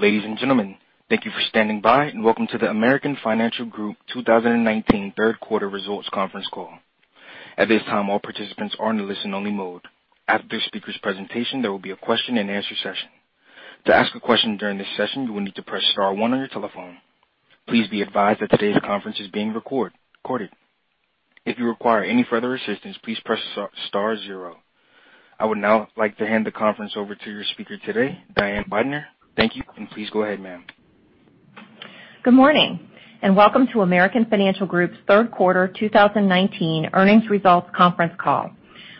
Ladies and gentlemen, thank you for standing by, welcome to the American Financial Group 2019 third quarter results conference call. At this time, all participants are in listen-only mode. After the speaker's presentation, there will be a question and answer session. To ask a question during this session, you will need to press star one on your telephone. Please be advised that today's conference is being recorded. If you require any further assistance, please press star zero. I would now like to hand the conference over to your speaker today, Diane Weidner. Thank you, please go ahead, ma'am. Good morning, welcome to American Financial Group's third quarter 2019 earnings results conference call.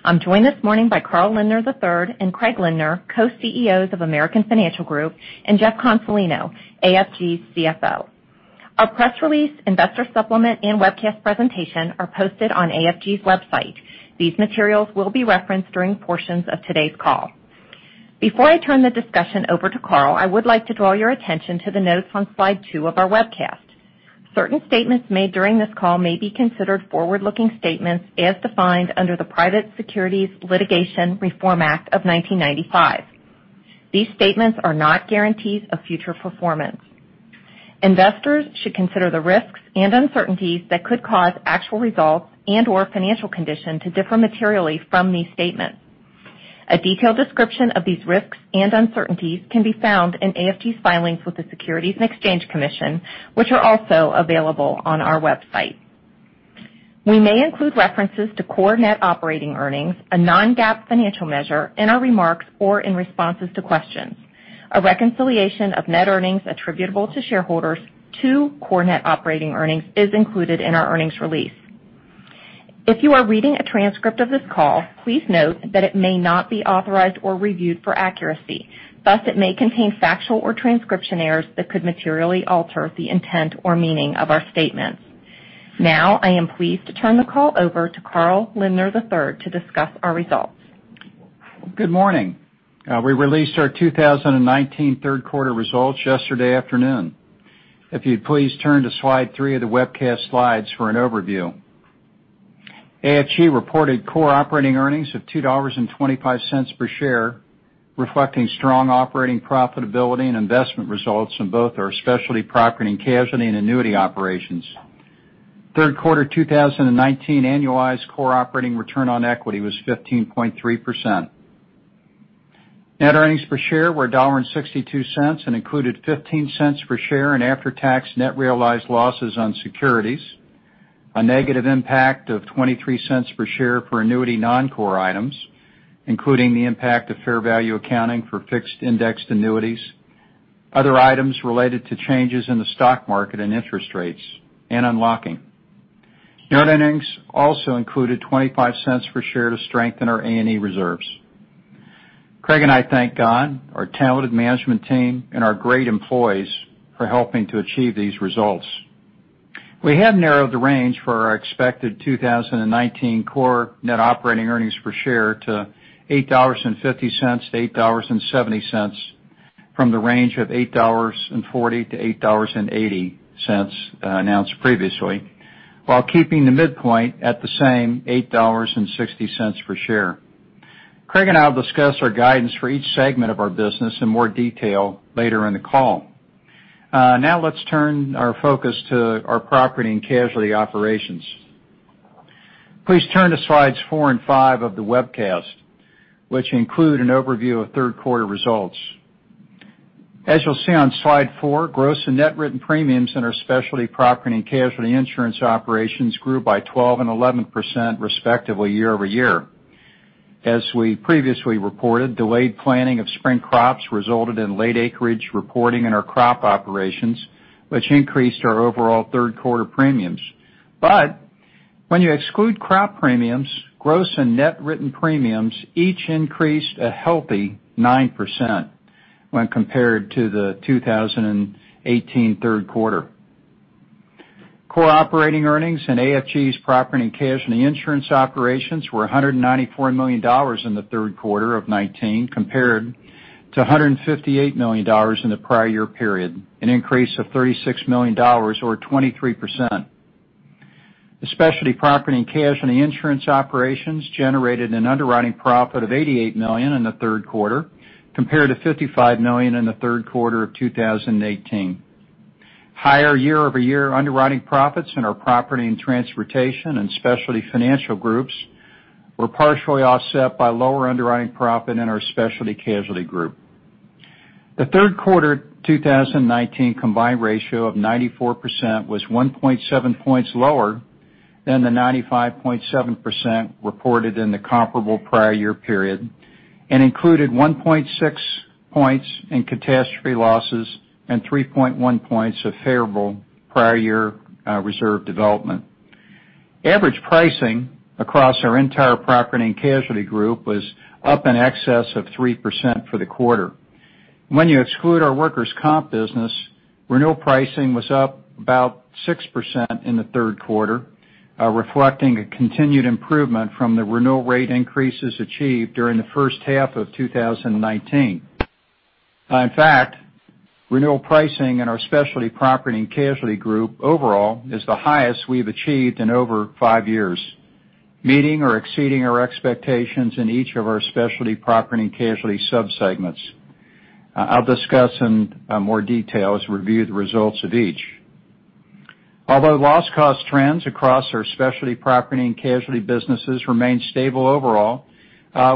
I'm joined this morning by Carl Lindner III and Craig Lindner, Co-Chief Executive Officers of American Financial Group, Jeff Consolino, AFG's Chief Financial Officer. Our press release investor supplement and webcast presentation are posted on AFG's website. These materials will be referenced during portions of today's call. Before I turn the discussion over to Carl, I would like to draw your attention to the notes on slide two of our webcast. Certain statements made during this call may be considered forward-looking statements as defined under the Private Securities Litigation Reform Act of 1995. These statements are not guarantees of future performance. Investors should consider the risks and uncertainties that could cause actual results and/or financial condition to differ materially from these statements. A detailed description of these risks and uncertainties can be found in AFG's filings with the Securities and Exchange Commission, which are also available on our website. We may include references to core net operating earnings, a non-GAAP financial measure, in our remarks or in responses to questions. A reconciliation of net earnings attributable to shareholders to core net operating earnings is included in our earnings release. If you are reading a transcript of this call, please note that it may not be authorized or reviewed for accuracy. Thus, it may contain factual or transcription errors that could materially alter the intent or meaning of our statements. Now, I am pleased to turn the call over to Carl Lindner III to discuss our results. Good morning. We released our 2019 third quarter results yesterday afternoon. If you'd please turn to slide three of the webcast slides for an overview. AFG reported core operating earnings of $2.25 per share, reflecting strong operating profitability and investment results in both our specialty property and casualty and annuity operations. Third quarter 2019 annualized core operating return on equity was 15.3%. Net earnings per share were $1.62 and included $0.15 per share in after-tax net realized losses on securities, a negative impact of $0.23 per share for annuity non-core items, including the impact of fair value accounting for fixed-indexed annuities, other items related to changes in the stock market and interest rates, and unlocking. Net earnings also included $0.25 per share to strengthen our A&E reserves. Craig and I thank God, our talented management team, and our great employees for helping to achieve these results. We have narrowed the range for our expected 2019 core net operating earnings per share to $8.50-$8.70 from the range of $8.40-$8.80 announced previously, while keeping the midpoint at the same $8.60 per share. Craig and I'll discuss our guidance for each segment of our business in more detail later in the call. Now let's turn our focus to our property and casualty operations. Please turn to slides four and five of the webcast, which include an overview of third quarter results. As you'll see on slide four, gross and net written premiums in our Specialty Property and Casualty insurance operations grew by 12% and 11% respectively year-over-year. As we previously reported, delayed planting of spring crops resulted in late acreage reporting in our crop operations, which increased our overall third-quarter premiums. When you exclude crop premiums, gross and net written premiums each increased a healthy 9% when compared to the 2018 third quarter. Core operating earnings in AFG's property and casualty insurance operations were $194 million in the third quarter of 2019, compared to $158 million in the prior year period, an increase of $36 million or 23%. The Specialty Property and Casualty insurance operations generated an underwriting profit of $88 million in the third quarter, compared to $55 million in the third quarter of 2018. Higher year-over-year underwriting profits in our Property and Transportation and Specialty Financial groups were partially offset by lower underwriting profit in our Specialty Casualty group. The third quarter 2019 combined ratio of 94% was 1.7 points lower than the 95.7% reported in the comparable prior year period and included 1.6 points in catastrophe losses and 3.1 points of favorable prior year reserve development. Average pricing across our entire property and casualty group was up in excess of 3% for the quarter. When you exclude our workers' comp business, renewal pricing was up about 6% in the third quarter, reflecting a continued improvement from the renewal rate increases achieved during the first half of 2019. In fact, renewal pricing in our Specialty Property and Casualty group overall is the highest we've achieved in over five years. Meeting or exceeding our expectations in each of our Specialty Property and Casualty sub-segments. I'll discuss in more detail as we review the results of each. Loss cost trends across our Specialty Property and Casualty businesses remain stable overall,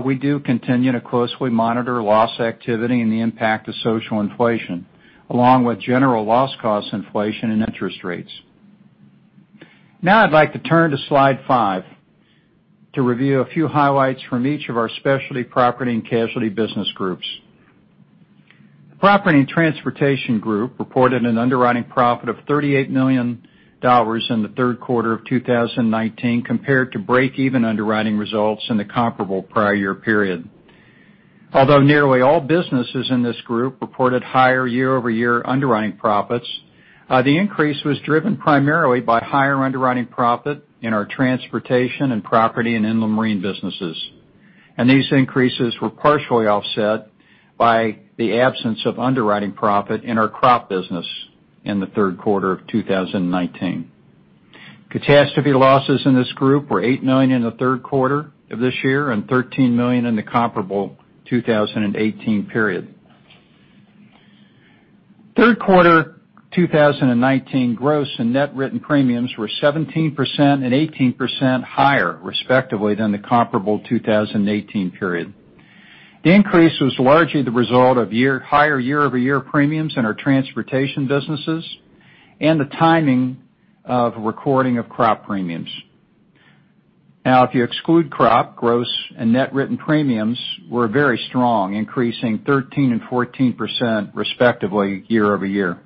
we do continue to closely monitor loss activity and the impact of social inflation, along with general loss cost inflation and interest rates. Now I'd like to turn to slide five to review a few highlights from each of our Specialty Property and Casualty business groups. The Property and Transportation group reported an underwriting profit of $38 million in the third quarter of 2019, compared to break-even underwriting results in the comparable prior year period. Nearly all businesses in this group reported higher year-over-year underwriting profits, the increase was driven primarily by higher underwriting profit in our Transportation and Property and Inland Marine businesses. And these increases were partially offset by the absence of underwriting profit in our crop business in the third quarter of 2019. Catastrophe losses in this group were $8 million in the third quarter of this year, and $13 million in the comparable 2018 period. Third quarter 2019 gross and net written premiums were 17% and 18% higher, respectively, than the comparable 2018 period. The increase was largely the result of higher year-over-year premiums in our transportation businesses and the timing of recording of crop premiums. If you exclude crop, gross and net written premiums were very strong, increasing 13% and 14%, respectively, year-over-year.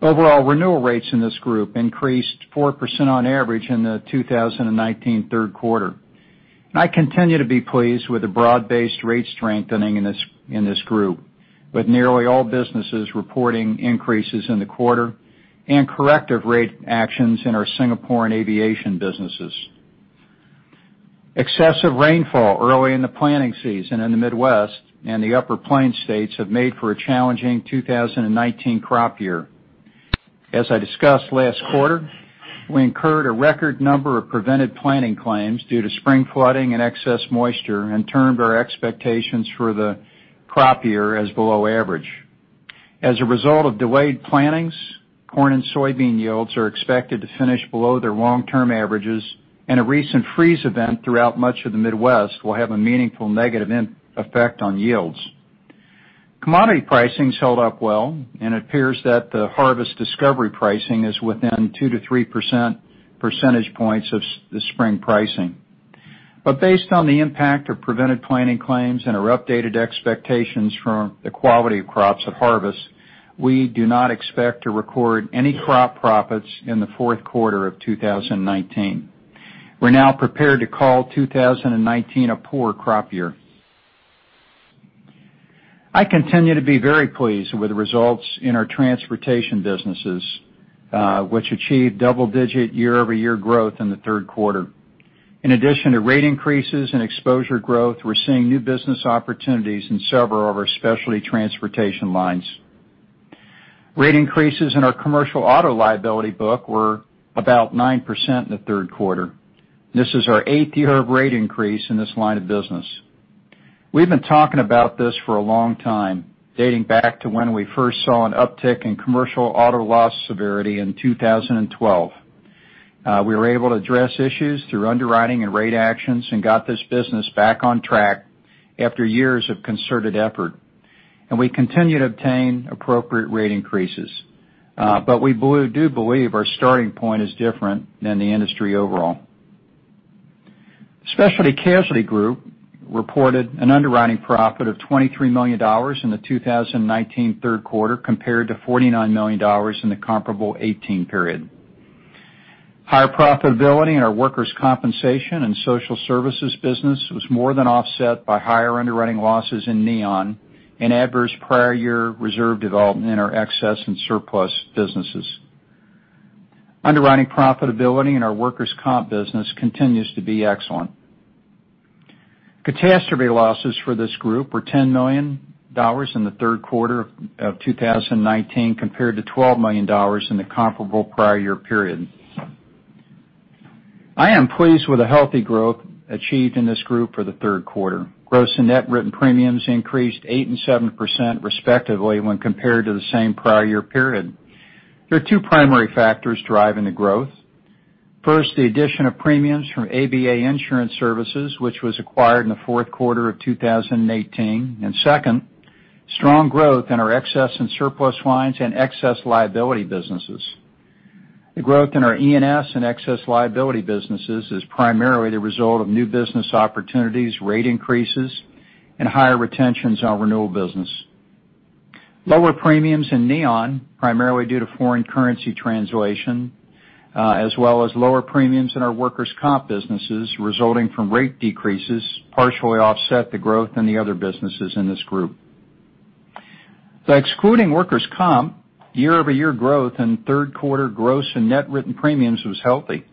Overall renewal rates in this group increased 4% on average in the 2019 third quarter. I continue to be pleased with the broad-based rate strengthening in this group, with nearly all businesses reporting increases in the quarter and corrective rate actions in our Singapore and aviation businesses. Excessive rainfall early in the planting season in the Midwest and the Upper Plains states have made for a challenging 2019 crop year. As I discussed last quarter, we incurred a record number of prevented planting claims due to spring flooding and excess moisture, and termed our expectations for the crop year as below average. As a result of delayed plantings, corn and soybean yields are expected to finish below their long-term averages, and a recent freeze event throughout much of the Midwest will have a meaningful negative effect on yields. Commodity pricing's held up well. It appears that the harvest discovery pricing is within 2% to 3% percentage points of the spring pricing. Based on the impact of prevented planting claims and our updated expectations from the quality of crops at harvest, we do not expect to record any crop profits in the fourth quarter of 2019. We're now prepared to call 2019 a poor crop year. I continue to be very pleased with the results in our transportation businesses, which achieved double-digit year-over-year growth in the third quarter. In addition to rate increases and exposure growth, we're seeing new business opportunities in several of our specialty transportation lines. Rate increases in our commercial auto liability book were about 9% in the third quarter. This is our eighth year of rate increase in this line of business. We've been talking about this for a long time, dating back to when we first saw an uptick in commercial auto loss severity in 2012. We were able to address issues through underwriting and rate actions and got this business back on track after years of concerted effort. We continue to obtain appropriate rate increases. We do believe our starting point is different than the industry overall. Specialty Casualty Group reported an underwriting profit of $23 million in the 2019 third quarter, compared to $49 million in the comparable 2018 period. Higher profitability in our workers' compensation and Social Services business was more than offset by higher underwriting losses in Neon and adverse prior year reserve development in our E&S businesses. Underwriting profitability in our workers' comp business continues to be excellent. Catastrophe losses for this group were $10 million in the third quarter of 2019, compared to $12 million in the comparable prior year period. I am pleased with the healthy growth achieved in this group for the third quarter. Gross and net written premiums increased 8% and 7% respectively when compared to the same prior year period. There are two primary factors driving the growth. First, the addition of premiums from ABA Insurance Services, which was acquired in the fourth quarter of 2018. Second, strong growth in our Excess and Surplus lines and excess liability businesses. The growth in our E&S and excess liability businesses is primarily the result of new business opportunities, rate increases, and higher retentions on renewal business. Lower premiums in Neon, primarily due to foreign currency translation, as well as lower premiums in our workers' comp businesses resulting from rate decreases, partially offset the growth in the other businesses in this group. By excluding workers' comp, year-over-year growth and third quarter gross and net written premiums was healthy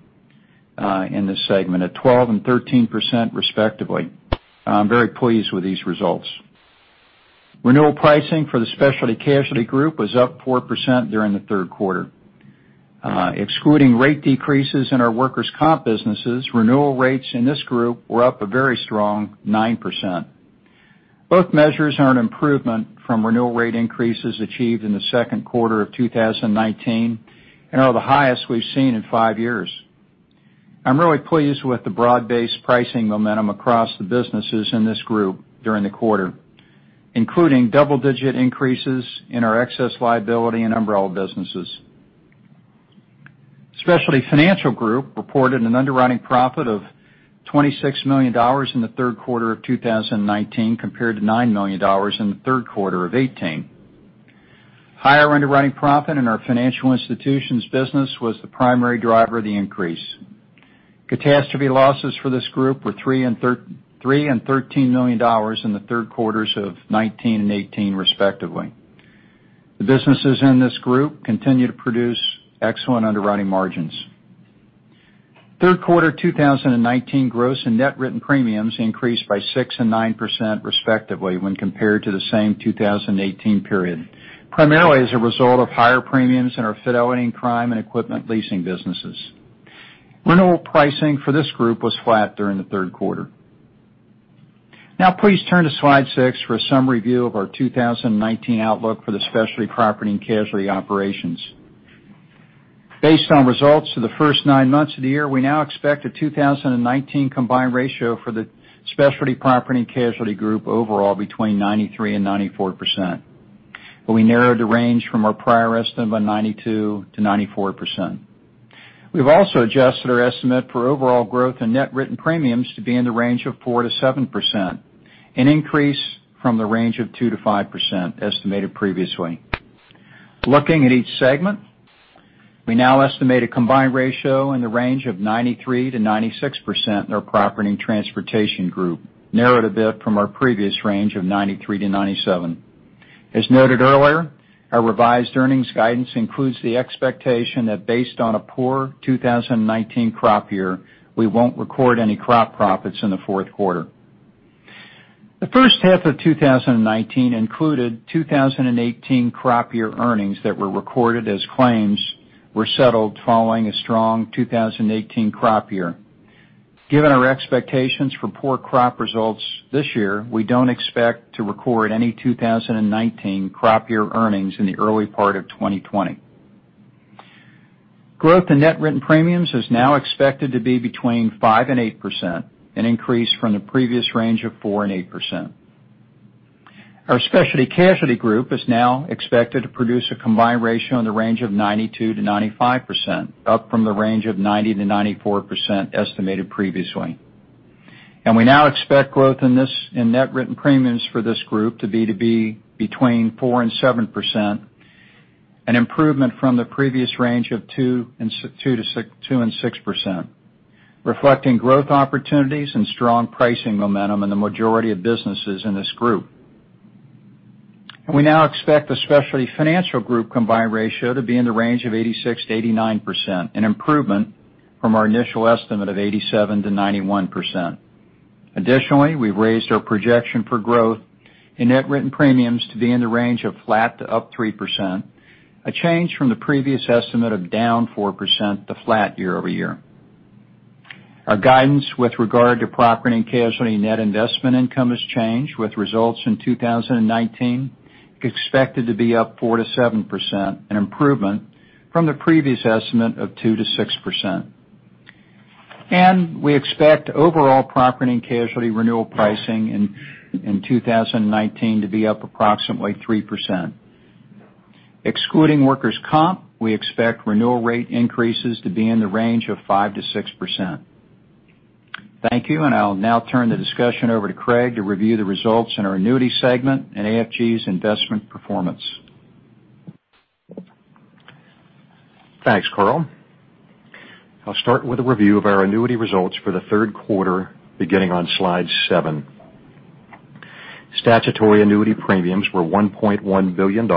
in this segment, at 12% and 13% respectively. I'm very pleased with these results. Renewal pricing for the Specialty Casualty Group was up 4% during the third quarter. Excluding rate decreases in our workers' comp businesses, renewal rates in this group were up a very strong 9%. Both measures are an improvement from renewal rate increases achieved in the second quarter of 2019 and are the highest we've seen in five years. I'm really pleased with the broad-based pricing momentum across the businesses in this group during the quarter, including double-digit increases in our excess liability and umbrella businesses. Specialty Financial Group reported an underwriting profit of $26 million in the third quarter of 2019 compared to $9 million in the third quarter of 2018. Higher underwriting profit in our financial institutions business was the primary driver of the increase. Catastrophe losses for this group were $3 million and $13 million in the third quarters of 2019 and 2018, respectively. The businesses in this group continue to produce excellent underwriting margins. Third quarter 2019 gross and net written premiums increased by 6% and 9% respectively when compared to the same 2018 period, primarily as a result of higher premiums in our Fidelity and Crime and Equipment Leasing businesses. Renewal pricing for this group was flat during the third quarter. Please turn to slide six for a summary view of our 2019 outlook for the Specialty Property and Casualty operations. Based on results for the first nine months of the year, we now expect a 2019 combined ratio for the Specialty Property and Casualty Group overall between 93% and 94%, but we narrowed the range from our prior estimate of 92%-94%. We've also adjusted our estimate for overall growth in net written premiums to be in the range of 4%-7%, an increase from the range of 2%-5% estimated previously. Looking at each segment, we now estimate a combined ratio in the range of 93%-96% in our Property and Transportation Group, narrowed a bit from our previous range of 93%-97%. As noted earlier, our revised earnings guidance includes the expectation that based on a poor 2019 crop year, we won't record any crop profits in the fourth quarter. The first half of 2019 included 2018 crop year earnings that were recorded as claims were settled following a strong 2018 crop year. Given our expectations for poor crop results this year, we don't expect to record any 2019 crop year earnings in the early part of 2020. Growth in net written premiums is now expected to be between 5% and 8%, an increase from the previous range of 4%-8%. Our Specialty Casualty Group is now expected to produce a combined ratio in the range of 92%-95%, up from the range of 90%-94% estimated previously. We now expect growth in net written premiums for this group to be between 4% and 7%, an improvement from the previous range of 2% and 6%, reflecting growth opportunities and strong pricing momentum in the majority of businesses in this group. We now expect the Specialty Financial Group combined ratio to be in the range of 86%-89%, an improvement from our initial estimate of 87%-91%. Additionally, we've raised our projection for growth in net written premiums to be in the range of flat to up 3%, a change from the previous estimate of down 4% to flat year-over-year. Thanks, Carl. I'll start with a review of our annuity results for the third quarter beginning on slide seven. Statutory annuity premiums were $1.1 billion in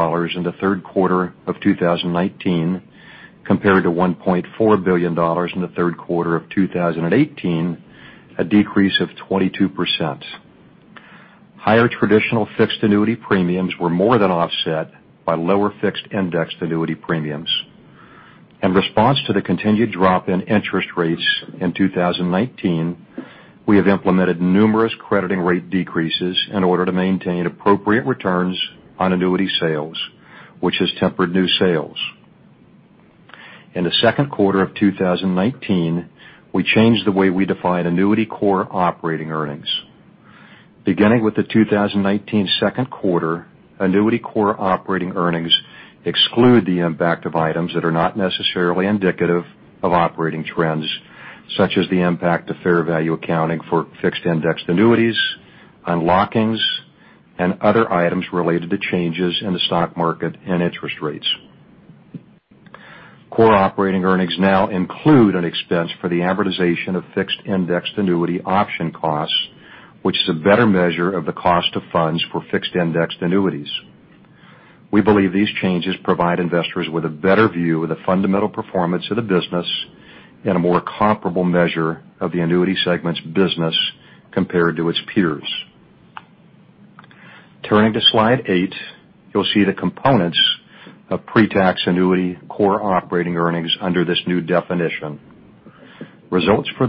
the third quarter of 2019 compared to $1.4 billion in the third quarter of 2018, a decrease of 22%. Higher traditional fixed annuity premiums were more than offset by lower fixed-indexed annuity premiums. In response to the continued drop in interest rates in 2019, we have implemented numerous crediting rate decreases in order to maintain appropriate returns on annuity sales, which has tempered new sales. In the second quarter of 2019, we changed the way we define annuity core operating earnings. Beginning with the 2019 second quarter, Annuity core operating earnings exclude the impact of items that are not necessarily indicative of operating trends, such as the impact of fair value accounting for fixed-indexed annuities, unlockings, and other items related to changes in the stock market and interest rates. segment's business compared to its peers. Turning to Slide 8, you'll see the components of pre-tax annuity core operating earnings under this new definition. Results for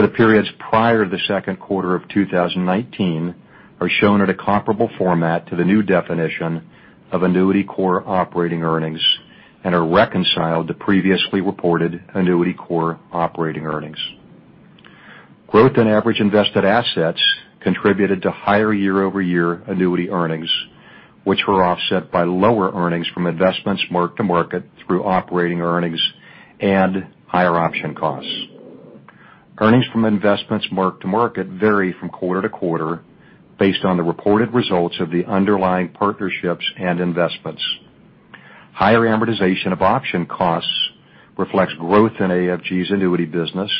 the periods prior to the second quarter of 2019 are shown at a comparable format to the new definition of annuity core operating earnings and are reconciled to previously reported annuity core operating earnings. Growth in average invested assets contributed to higher year-over-year annuity earnings, which were offset by lower earnings from investments mark-to-market through operating earnings and higher option costs. Earnings from investments mark-to-market vary from quarter-to-quarter based on the reported results of the underlying partnerships and investments. Higher amortization of option costs reflects growth in AFG's annuity business,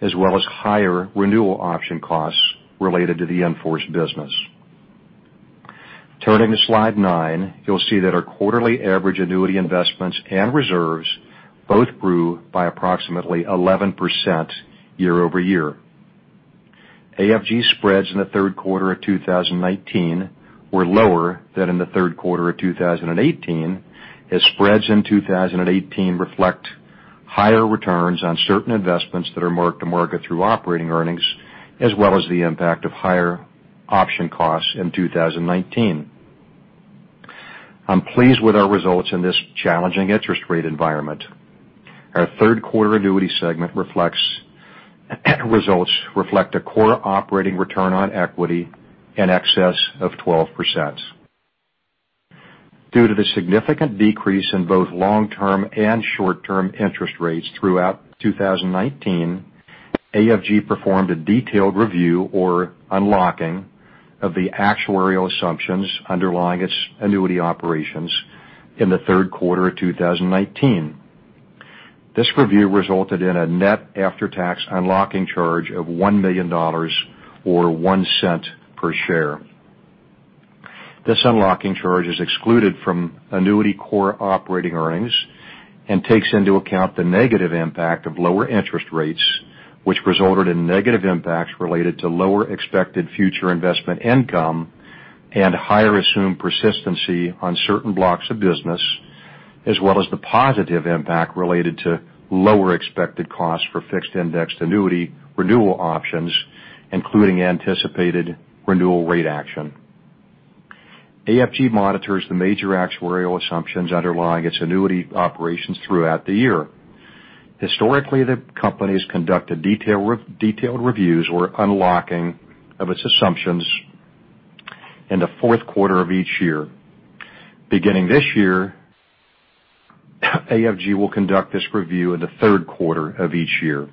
as well as higher renewal option costs related to the in-force business. Turning to Slide 9, you'll see that our quarterly average annuity investments and reserves both grew by approximately 11% year-over-year. AFG spreads in the third quarter of 2019 were lower than in the third quarter of 2018, as spreads in 2018 reflect higher returns on certain investments that are mark-to-market through operating earnings, as well as the impact of higher option costs in 2019. I'm pleased with our results in this challenging interest rate environment. Our third quarter annuity segment results reflect a core operating return on equity in excess of 12%. Due to the significant decrease in both long-term and short-term interest rates throughout 2019, AFG performed a detailed review or unlocking of the actuarial assumptions underlying its annuity operations in the third quarter of 2019. This review resulted in a net after-tax unlocking charge of $1 million or $0.01 per share. This unlocking charge is excluded from annuity core operating earnings and takes into account the negative impact of lower interest rates, which resulted in negative impacts related to lower expected future investment income and higher assumed persistency on certain blocks of business, as well as the positive impact related to lower expected costs for fixed-indexed annuity renewal options, including anticipated renewal rate action. AFG monitors the major actuarial assumptions underlying its annuity operations throughout the year. Historically, the company's conducted detailed reviews or unlocking of its assumptions in the fourth quarter of each year. Beginning this year, AFG will conduct this review in the third quarter of each year.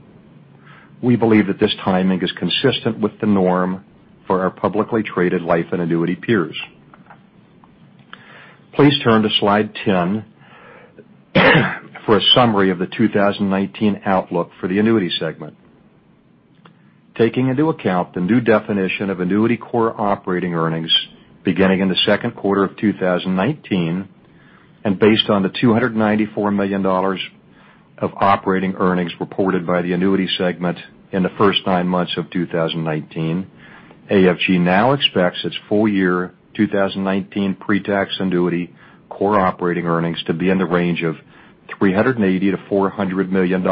We believe that this timing is consistent with the norm for our publicly traded life and annuity peers. Please turn to Slide 10 for a summary of the 2019 outlook for the annuity segment. Taking into account the new definition of annuity core operating earnings beginning in the second quarter of 2019, and based on the $294 million of operating earnings reported by the annuity segment in the first nine months of 2019, AFG now expects its full-year 2019 pre-tax annuity core operating earnings to be in the range of $380 million-$400 million.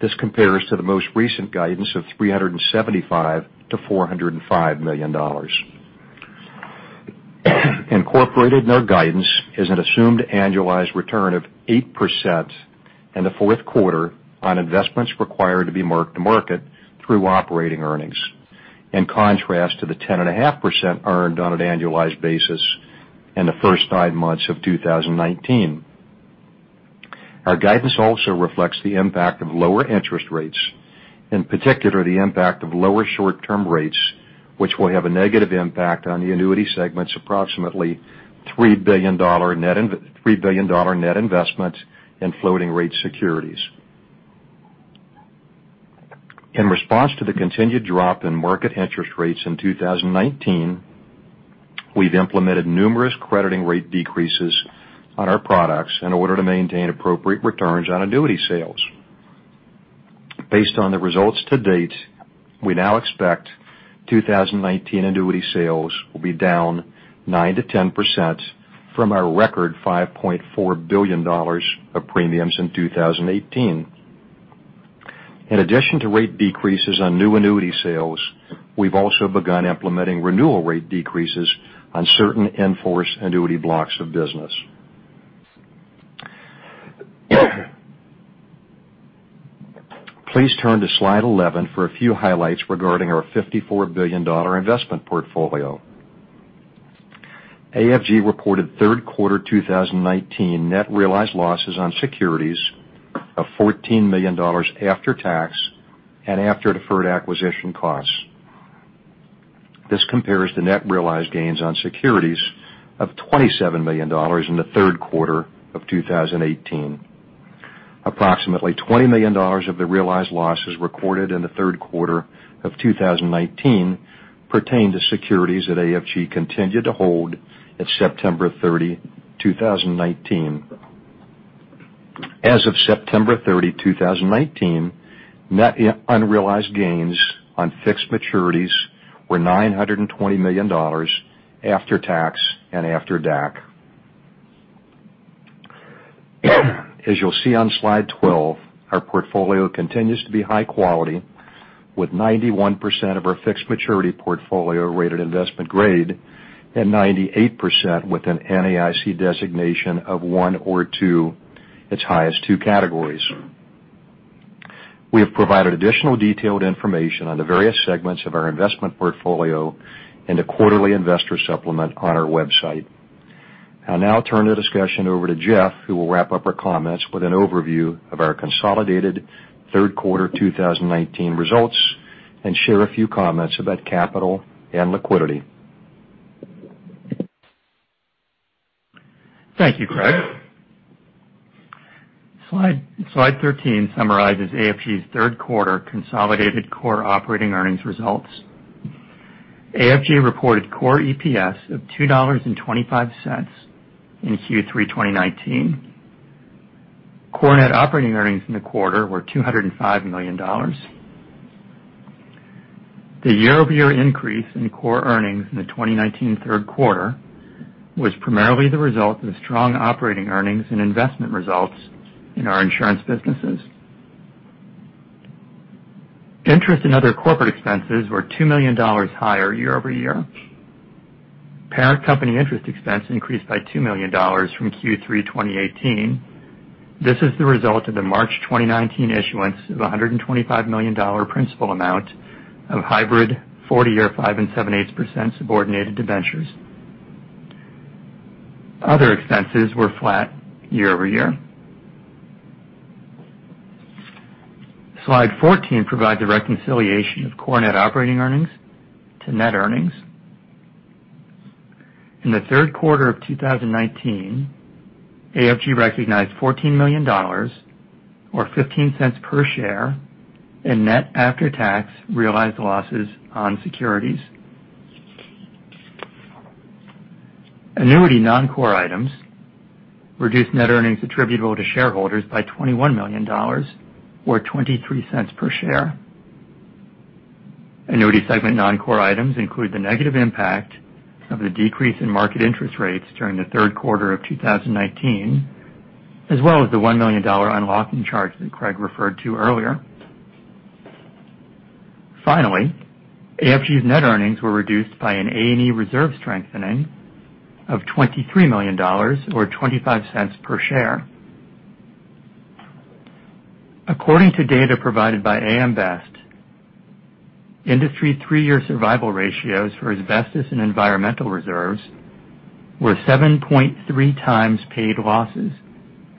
This compares to the most recent guidance of $375 million-$405 million. Incorporated in our guidance is an assumed annualized return of 8% in the fourth quarter on investments required to be mark-to-market through operating earnings, in contrast to the 10.5% earned on an annualized basis in the first five months of 2019. Our guidance also reflects the impact of lower interest rates, in particular, the impact of lower short-term rates, which will have a negative impact on the annuity segment's approximately $3 billion net investment in floating rate securities. In response to the continued drop in market interest rates in 2019, we've implemented numerous crediting rate decreases on our products in order to maintain appropriate returns on annuity sales. Based on the results to date, we now expect 2019 annuity sales will be down 9%-10% from our record $5.4 billion of premiums in 2018. In addition to rate decreases on new annuity sales, we've also begun implementing renewal rate decreases on certain in-force annuity blocks of business. Please turn to Slide 11 for a few highlights regarding our $54 billion investment portfolio. AFG reported third quarter 2019 net realized losses on securities of $14 million after tax and after deferred acquisition costs. This compares to net realized gains on securities of $27 million in the third quarter of 2018. Approximately $20 million of the realized losses recorded in the third quarter of 2019 pertain to securities that AFG continued to hold at September 30, 2019. As of September 30, 2019, net unrealized gains on fixed maturities were $920 million after tax and after DAC. As you'll see on Slide 12, our portfolio continues to be high quality, with 91% of our fixed maturity portfolio rated investment grade and 98% with an NAIC designation of 1 or 2, its highest 2 categories. We have provided additional detailed information on the various segments of our investment portfolio in the quarterly investor supplement on our website. I'll now turn the discussion over to Jeff, who will wrap up our comments with an overview of our consolidated third quarter 2019 results and share a few comments about capital and liquidity. Thank you, Craig. Slide 13 summarizes AFG's third quarter consolidated core operating earnings results. AFG reported core EPS of $2.25 in Q3 2019. Core net operating earnings in the quarter were $205 million. The year-over-year increase in core earnings in the 2019 third quarter was primarily the result of strong operating earnings and investment results in our insurance businesses. Interest in other corporate expenses were $2 million higher year-over-year. Parent company interest expense increased by $2 million from Q3 2018. This is the result of the March 2019 issuance of $125 million principal amount of hybrid 40-year, 5 7/8% subordinated debentures. Other expenses were flat year-over-year. Slide 14 provides a reconciliation of core net operating earnings to net earnings. In the third quarter of 2019, AFG recognized $14 million or $0.15 per share in net after-tax realized losses on securities. Annuity non-core items reduced net earnings attributable to shareholders by $21 million or $0.23 per share. Annuity segment non-core items include the negative impact of the decrease in market interest rates during the third quarter of 2019, as well as the $1 million unlocking charge that Craig referred to earlier. AFG's net earnings were reduced by an A&E reserve strengthening of $23 million or $0.25 per share. According to data provided by AM Best, industry three-year survival ratios for asbestos and environmental reserves were 7.3 times paid losses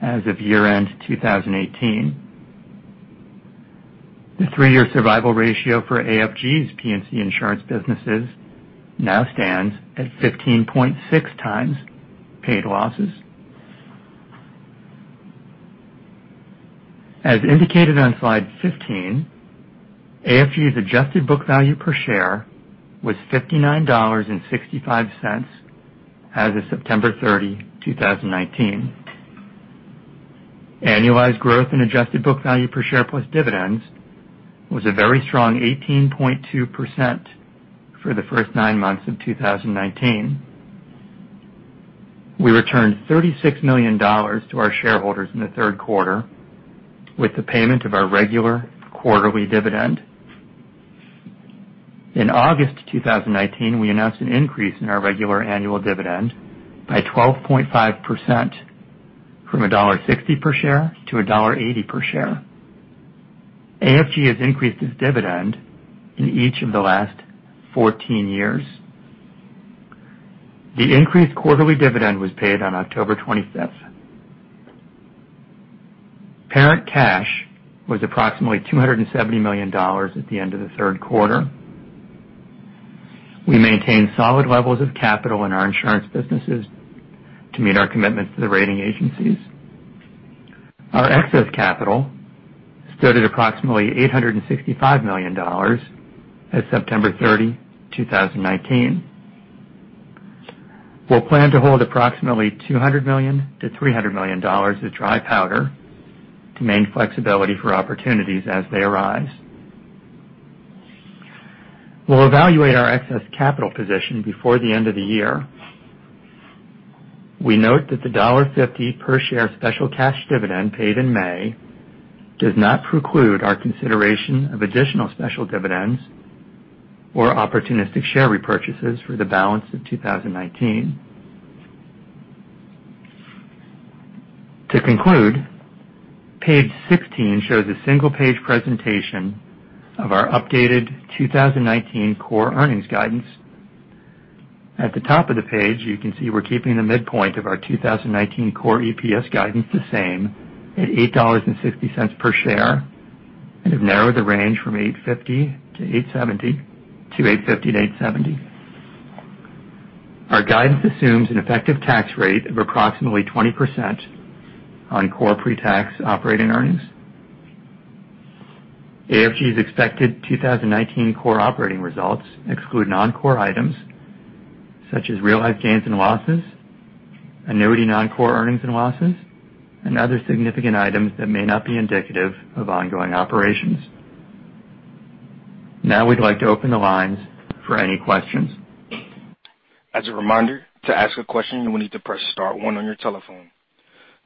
as of year-end 2018. The three-year survival ratio for AFG's P&C insurance businesses now stands at 15.6 times paid losses. As indicated on Slide 15, AFG's adjusted book value per share was $59.65 as of September 30, 2019. Annualized growth in adjusted book value per share plus dividends was a very strong 18.2% for the first nine months of 2019. We returned $36 million to our shareholders in the third quarter with the payment of our regular quarterly dividend. In August 2019, we announced an increase in our regular annual dividend by 12.5% from $1.60 per share to $1.80 per share. AFG has increased its dividend in each of the last 14 years. The increased quarterly dividend was paid on October 25th. Parent cash was approximately $270 million at the end of the third quarter. We maintain solid levels of capital in our insurance businesses to meet our commitments to the rating agencies. Our excess capital stood at approximately $865 million as of September 30, 2019. We'll plan to hold approximately $200 million-$300 million as dry powder to maintain flexibility for opportunities as they arise. We'll evaluate our excess capital position before the end of the year. We note that the $1.50 per share special cash dividend paid in May does not preclude our consideration of additional special dividends or opportunistic share repurchases for the balance of 2019. To conclude, page 16 shows a single-page presentation of our updated 2019 core earnings guidance. At the top of the page, you can see we're keeping the midpoint of our 2019 core EPS guidance the same at $8.60 per share, have narrowed the range to $8.50-$8.70. Our guidance assumes an effective tax rate of approximately 20% on core pre-tax operating earnings. AFG's expected 2019 core operating results exclude non-core items such as realized gains and losses, annuity non-core earnings and losses, other significant items that may not be indicative of ongoing operations. We'd like to open the lines for any questions. As a reminder, to ask a question, you will need to press star one on your telephone.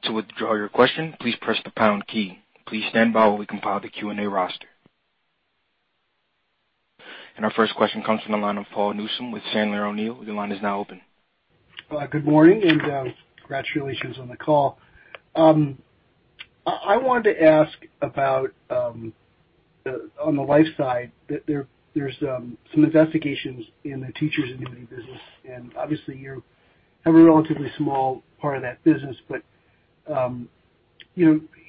To withdraw your question, please press the pound key. Please stand by while we compile the Q&A roster. Our first question comes from the line of Paul Newsome with Sandler O'Neill. Your line is now open. Good morning, and congratulations on the call. I wanted to ask about on the life side, there's some investigations in the teachers' annuity business, and obviously you have a relatively small part of that business.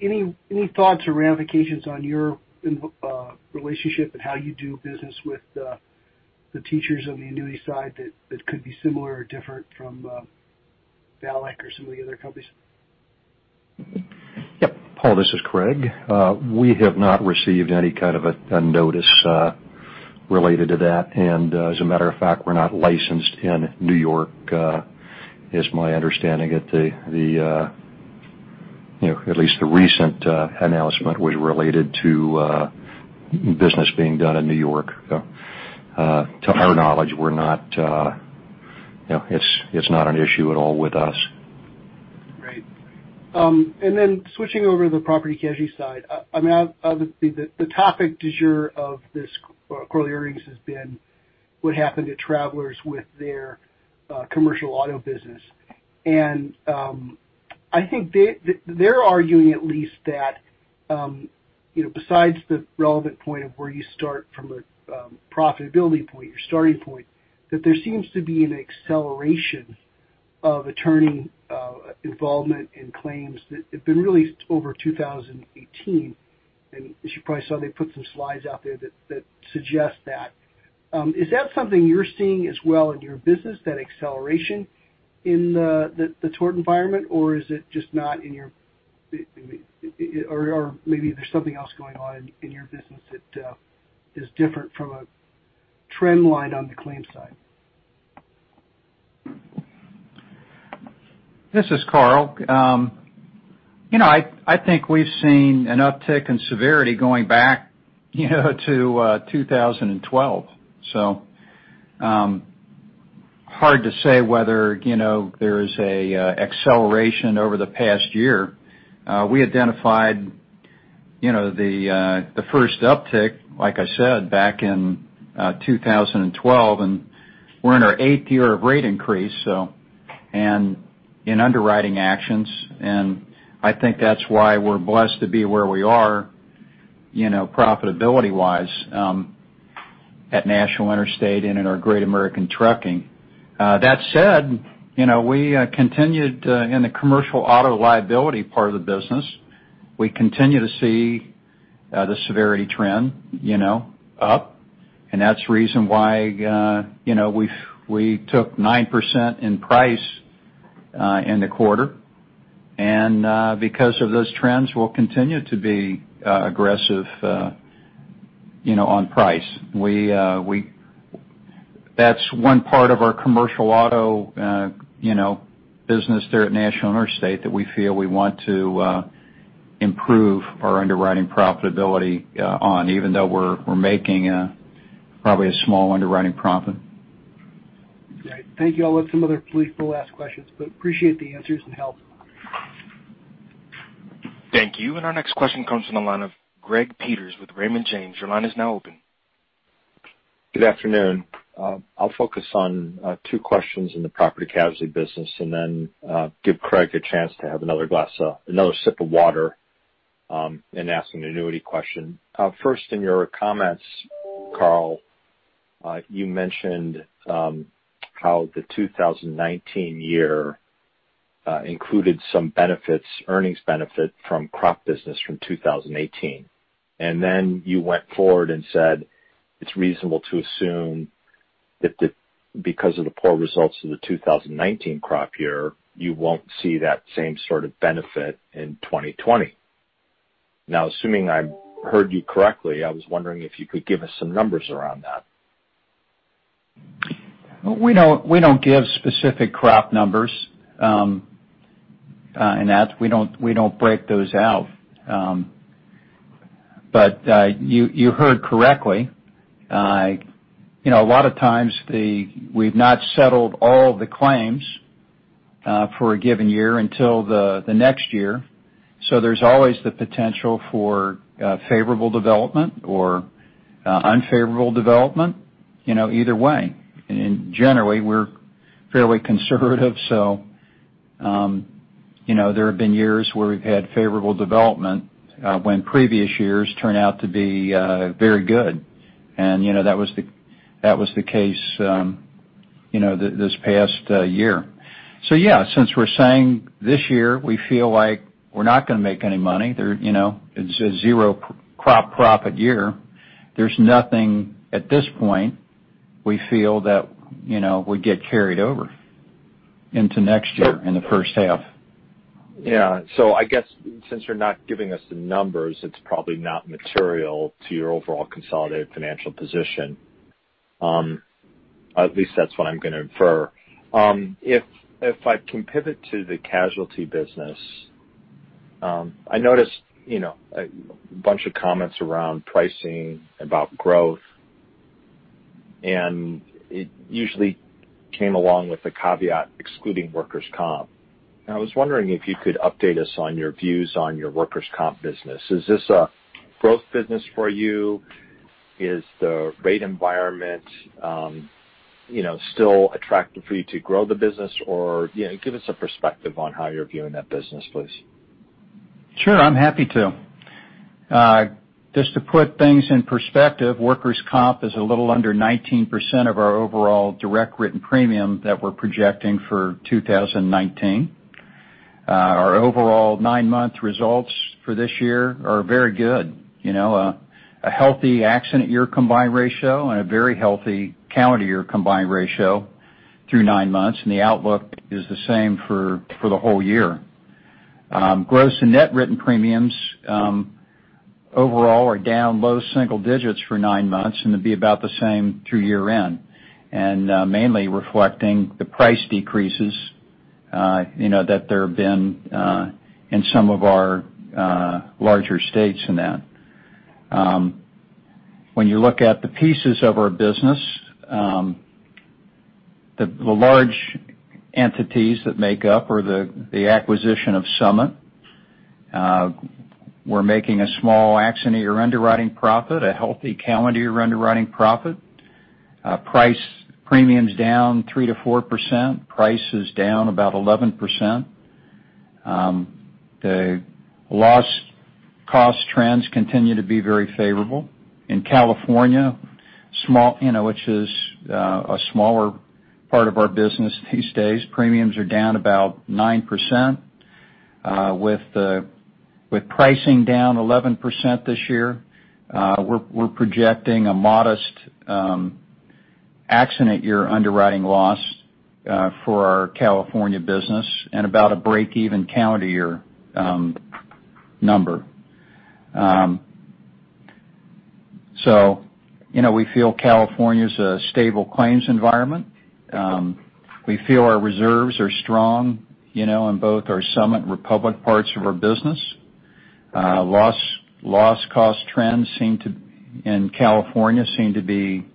Any thoughts or ramifications on your relationship and how you do business with the teachers on the annuity side that could be similar or different from VALIC or some of the other companies? Yep. Paul, this is Craig. We have not received any kind of a notice related to that. As a matter of fact, we're not licensed in New York, is my understanding at least the recent announcement was related to business being done in New York. To our knowledge, it's not an issue at all with us. Right. Switching over to the property casualty side. Obviously, the topic du jour of this quarterly earnings has been what happened to Travelers with their commercial auto business. I think they're arguing at least that besides the relevant point of where you start from a profitability point, your starting point, that there seems to be an acceleration of attorney involvement in claims that have been really over 2018. As you probably saw, they put some slides out there that suggest that. Is that something you're seeing as well in your business, that acceleration in the tort environment? Or is it just not in your-- or maybe there's something else going on in your business that is different from a trend line on the claims side? This is Carl. I think we've seen an uptick in severity going back to 2012. Hard to say whether there is an acceleration over the past year. We identified the first uptick, like I said, back in 2012, and we're in our eighth year of rate increase, in underwriting actions, and I think that's why we're blessed to be where we are profitability-wise at National Interstate and in our Great American Trucking. That said, we continued in the commercial auto liability part of the business. We continue to see the severity trend up, and that's the reason why we took 9% in price in the quarter, and because of those trends, we'll continue to be aggressive on price. That's one part of our commercial auto business there at National Interstate that we feel we want to improve our underwriting profitability on, even though we're making probably a small underwriting profit. Great. Thank you. I'll let some other people ask questions, appreciate the answers and help. Thank you. Our next question comes from the line of Greg Peters with Raymond James. Your line is now open. Good afternoon. I'll focus on two questions in the property casualty business and then give Craig a chance to have another sip of water and ask an annuity question. First, in your comments, Carl, you mentioned how the 2019 year included some earnings benefit from crop business from 2018. Then you went forward and said, it's reasonable to assume that because of the poor results of the 2019 crop year, you won't see that same sort of benefit in 2020. Now, assuming I heard you correctly, I was wondering if you could give us some numbers around that. We don't give specific crop numbers in that. We don't break those out. You heard correctly. A lot of times we've not settled all the claims for a given year until the next year. There's always the potential for favorable development or unfavorable development, either way. Generally, we're fairly conservative, so there have been years where we've had favorable development when previous years turn out to be very good. That was the case this past year. Since we're saying this year we feel like we're not going to make any money. It's a zero crop profit year. There's nothing at this point we feel that would get carried over into next year in the first half. I guess since you're not giving us the numbers, it's probably not material to your overall consolidated financial position. At least that's what I'm going to infer. If I can pivot to the casualty business, I noticed a bunch of comments around pricing, about growth, it usually came along with the caveat excluding workers' comp. I was wondering if you could update us on your views on your workers' comp business. Is this a growth business for you? Is the rate environment still attractive for you to grow the business, or give us a perspective on how you're viewing that business, please. Sure, I'm happy to. Just to put things in perspective, workers' comp is a little under 19% of our overall direct written premium that we're projecting for 2019. Our overall nine-month results for this year are very good. A healthy accident year combined ratio and a very healthy calendar year combined ratio through 9 months. The outlook is the same for the whole year. Gross and net written premiums overall are down low single digits for 9 months and will be about the same through year-end, mainly reflecting the price decreases that there have been in some of our larger states in that. When you look at the pieces of our business, the large entities that make up or the acquisition of Summit, we're making a small accident year underwriting profit, a healthy calendar year underwriting profit. Price premiums down 3%-4%, price is down about 11%. The loss cost trends continue to be very favorable. In California, which is a smaller part of our business these days, premiums are down about 9% with pricing down 11% this year. We're projecting a modest accident year underwriting loss for our California business and about a break-even calendar year number. We feel California's a stable claims environment. We feel our reserves are strong in both our Summit, Republic parts of our business. Loss cost trends in California seem to be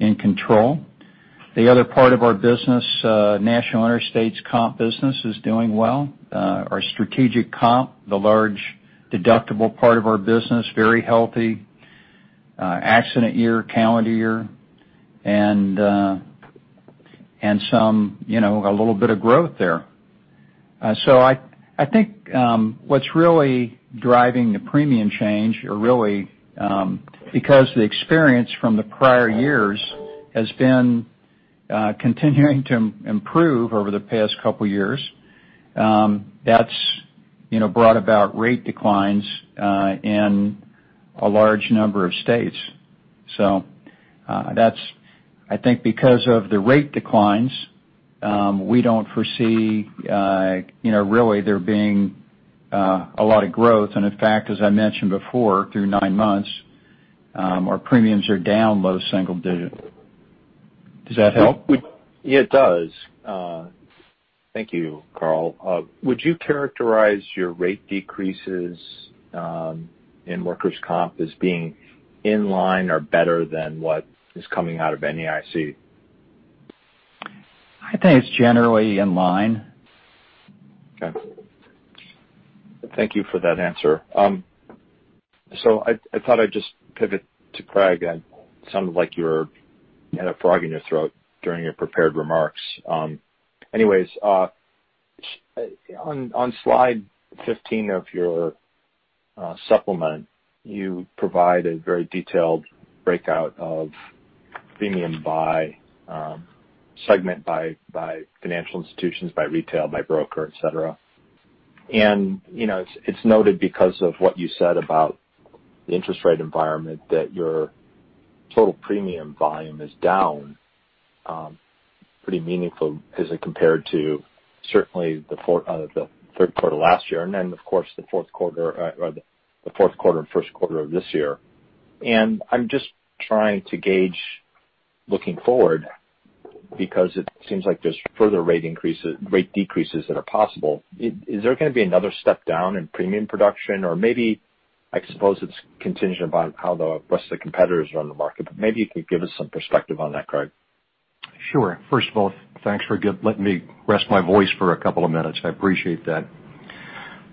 in control. The other part of our business, National Interstate's comp business, is doing well. Our Strategic Comp, the large deductible part of our business, very healthy. Accident year, calendar year, a little bit of growth there. I think what's really driving the premium change are really because the experience from the prior years has been continuing to improve over the past couple years. That's brought about rate declines in a large number of states. I think because of the rate declines, we don't foresee really there being a lot of growth. In fact, as I mentioned before, through nine months, our premiums are down low single digit. Does that help? Yeah, it does. Thank you, Carl. Would you characterize your rate decreases in workers' comp as being in line or better than what is coming out of NAIC? I think it's generally in line. Okay. Thank you for that answer. I thought I'd just pivot to Craig. It sounded like you had a frog in your throat during your prepared remarks. Anyways, on slide 15 of your supplement, you provide a very detailed breakout of premium by segment, by financial institutions, by retail, by broker, et cetera. It's noted because of what you said about the interest rate environment that your total premium volume is down pretty meaningful as it compared to certainly the third quarter last year, then of course the fourth quarter and first quarter of this year. I'm just trying to gauge looking forward because it seems like there's further rate decreases that are possible. Is there going to be another step down in premium production? I suppose it's contingent upon how the rest of the competitors are on the market, but maybe you could give us some perspective on that, Craig. Sure. First of all, thanks for letting me rest my voice for a couple of minutes. I appreciate that.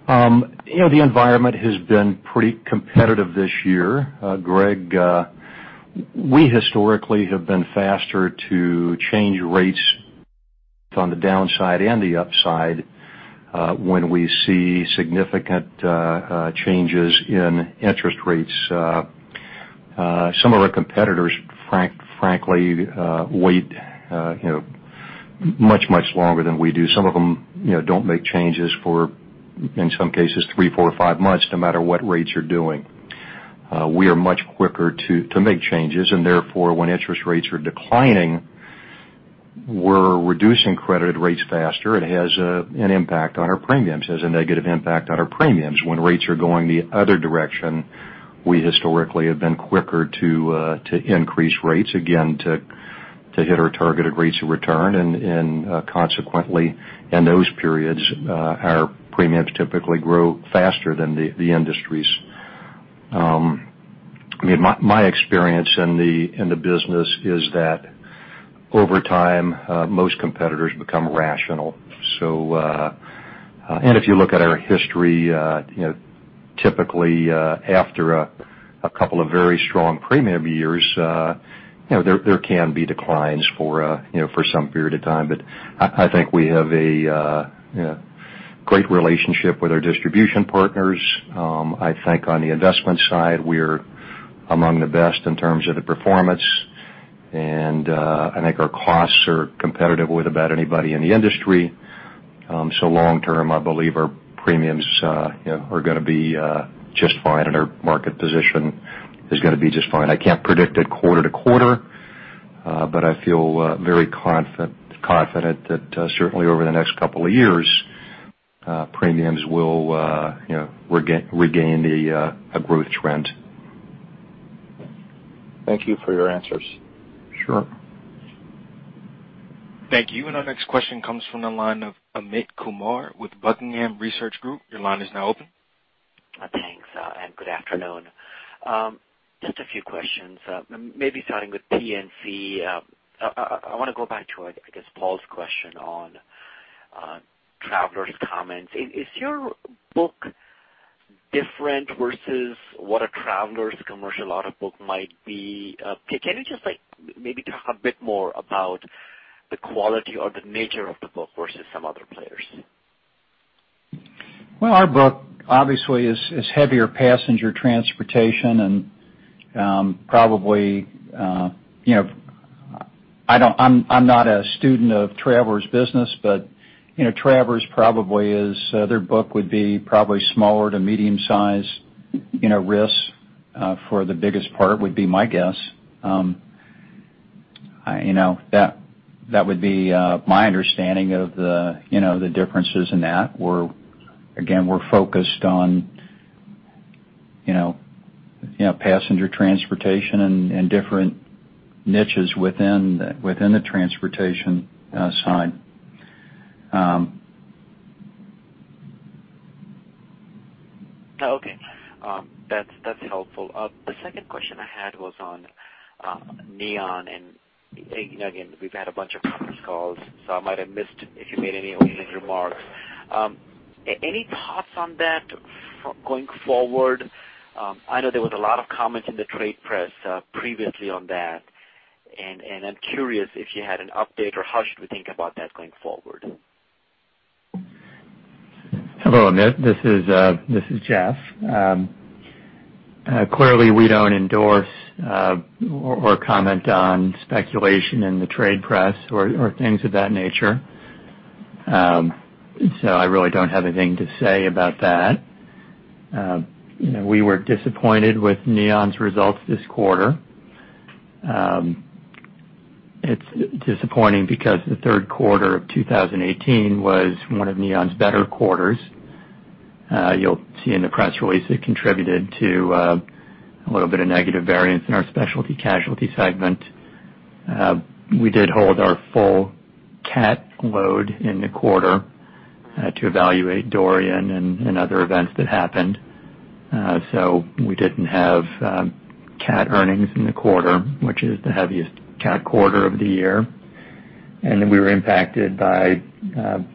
The environment has been pretty competitive this year, Greg. We historically have been faster to change rates on the downside and the upside when we see significant changes in interest rates. Some of our competitors, frankly, wait much, much longer than we do. Some of them don't make changes for, in some cases, three, four or five months, no matter what rates are doing. We are much quicker to make changes, and therefore, when interest rates are declining, we're reducing credited rates faster. It has an impact on our premiums. It has a negative impact on our premiums. When rates are going the other direction, we historically have been quicker to increase rates, again, to hit our targeted rates of return, and consequently, in those periods, our premiums typically grow faster than the industry's. My experience in the business is that over time, most competitors become rational. If you look at our history, typically, after a couple of very strong premium years, there can be declines for some period of time. I think we have a great relationship with our distribution partners. I think on the investment side, we're among the best in terms of the performance, and I think our costs are competitive with about anybody in the industry. Long term, I believe our premiums are going to be just fine, and our market position is going to be just fine. I can't predict it quarter to quarter, but I feel very confident that certainly over the next couple of years, premiums will regain a growth trend. Thank you for your answers. Sure. Thank you. Our next question comes from the line of Amit Kumar with Buckingham Research Group. Your line is now open. Thanks, good afternoon. Just a few questions, maybe starting with P&C. I want to go back to, I guess, Paul's question on Travelers comments. Is your book different versus what a Travelers commercial auto book might be? Can you just maybe talk a bit more about the quality or the nature of the book versus some other players? Well, our book obviously is heavier passenger transportation, and probably, I'm not a student of Travelers business, but Travelers probably is, their book would be probably smaller to medium-sized risks for the biggest part, would be my guess. That would be my understanding of the differences in that. Again, we're focused on passenger transportation and different niches within the transportation side. Okay. That's helpful. The second question I had was on Neon. Again, we've had a bunch of conference calls, so I might have missed if you made any opening remarks. Any thoughts on that going forward? I know there was a lot of comments in the trade press previously on that. I'm curious if you had an update or how should we think about that going forward? Hello, Amit. This is Jeff. Clearly, we don't endorse or comment on speculation in the trade press or things of that nature. I really don't have anything to say about that. We were disappointed with Neon's results this quarter. It's disappointing because the third quarter of 2018 was one of Neon's better quarters. You'll see in the press release, it contributed to a little bit of negative variance in our specialty casualty segment. We did hold our full cat load in the quarter to evaluate Dorian and other events that happened. We didn't have cat earnings in the quarter, which is the heaviest cat quarter of the year. We were impacted by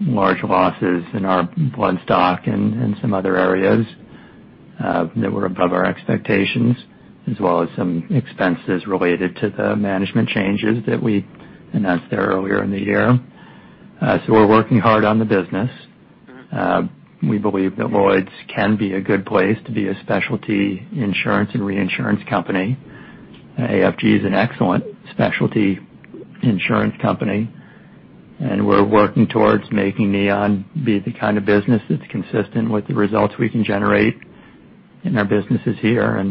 large losses in our bloodstock and some other areas that were above our expectations, as well as some expenses related to the management changes that we announced there earlier in the year. We're working hard on the business. We believe that Lloyd's can be a good place to be a specialty insurance and reinsurance company. AFG is an excellent specialty insurance company. We're working towards making Neon be the kind of business that's consistent with the results we can generate in our businesses here.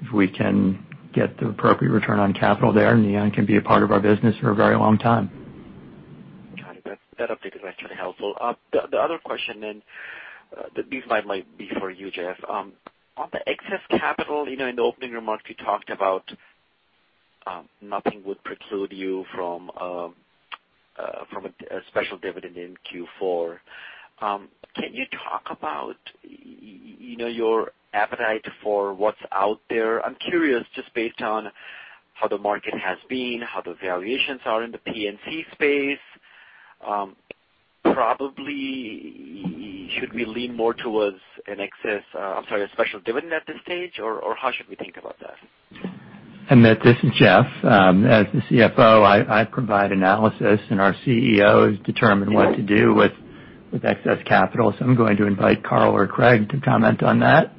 If we can get the appropriate return on capital there, Neon can be a part of our business for a very long time. Got it. That update is actually helpful. The other question, this might be for you, Jeff. On the excess capital, in the opening remarks, you talked about nothing would preclude you from a special dividend in Q4. Can you talk about your appetite for what's out there? I'm curious just based on how the market has been, how the valuations are in the P&C space. Probably, should we lean more towards a special dividend at this stage, or how should we think about that? Amit, this is Jeff. As the CFO, I provide analysis, and our CEOs determine what to do with With excess capital. I'm going to invite Carl or Craig to comment on that.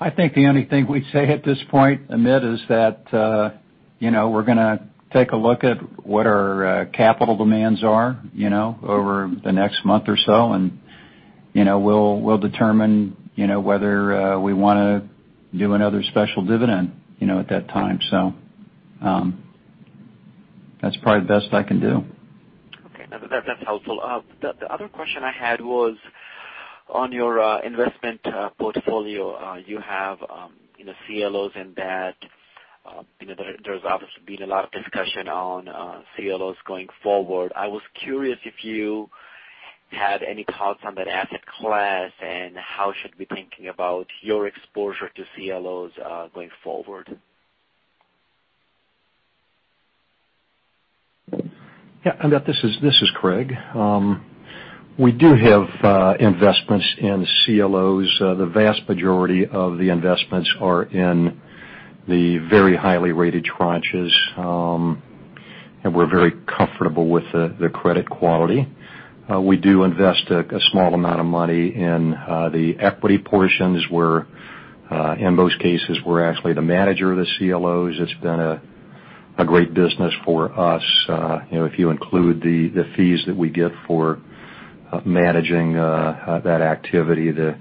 I think the only thing we'd say at this point, Amit, is that we're going to take a look at what our capital demands are over the next month or so, and we'll determine whether we want to do another special dividend at that time. That's probably the best I can do. Okay. That's helpful. The other question I had was on your investment portfolio. You have CLOs and there's obviously been a lot of discussion on CLOs going forward. I was curious if you had any thoughts on that asset class, and how should we be thinking about your exposure to CLOs, going forward? Yeah, Amit, this is Craig. We do have investments in CLOs. The vast majority of the investments are in the very highly rated tranches, and we're very comfortable with the credit quality. We do invest a small amount of money in the equity portions, where, in most cases, we're actually the manager of the CLOs. It's been a great business for us. If you include the fees that we get for managing that activity, the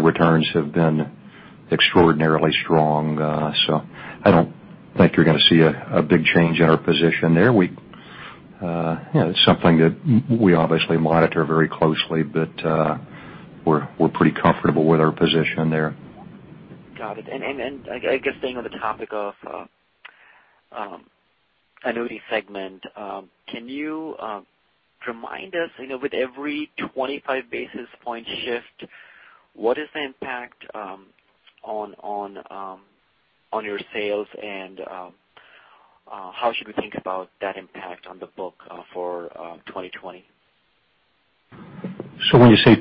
returns have been extraordinarily strong. I don't think you're going to see a big change in our position there. It's something that we obviously monitor very closely, but we're pretty comfortable with our position there. Got it. I guess staying on the topic of annuity segment, can you remind us with every 25 basis point shift, what is the impact on your sales and how should we think about that impact on the book for 2020? When you say,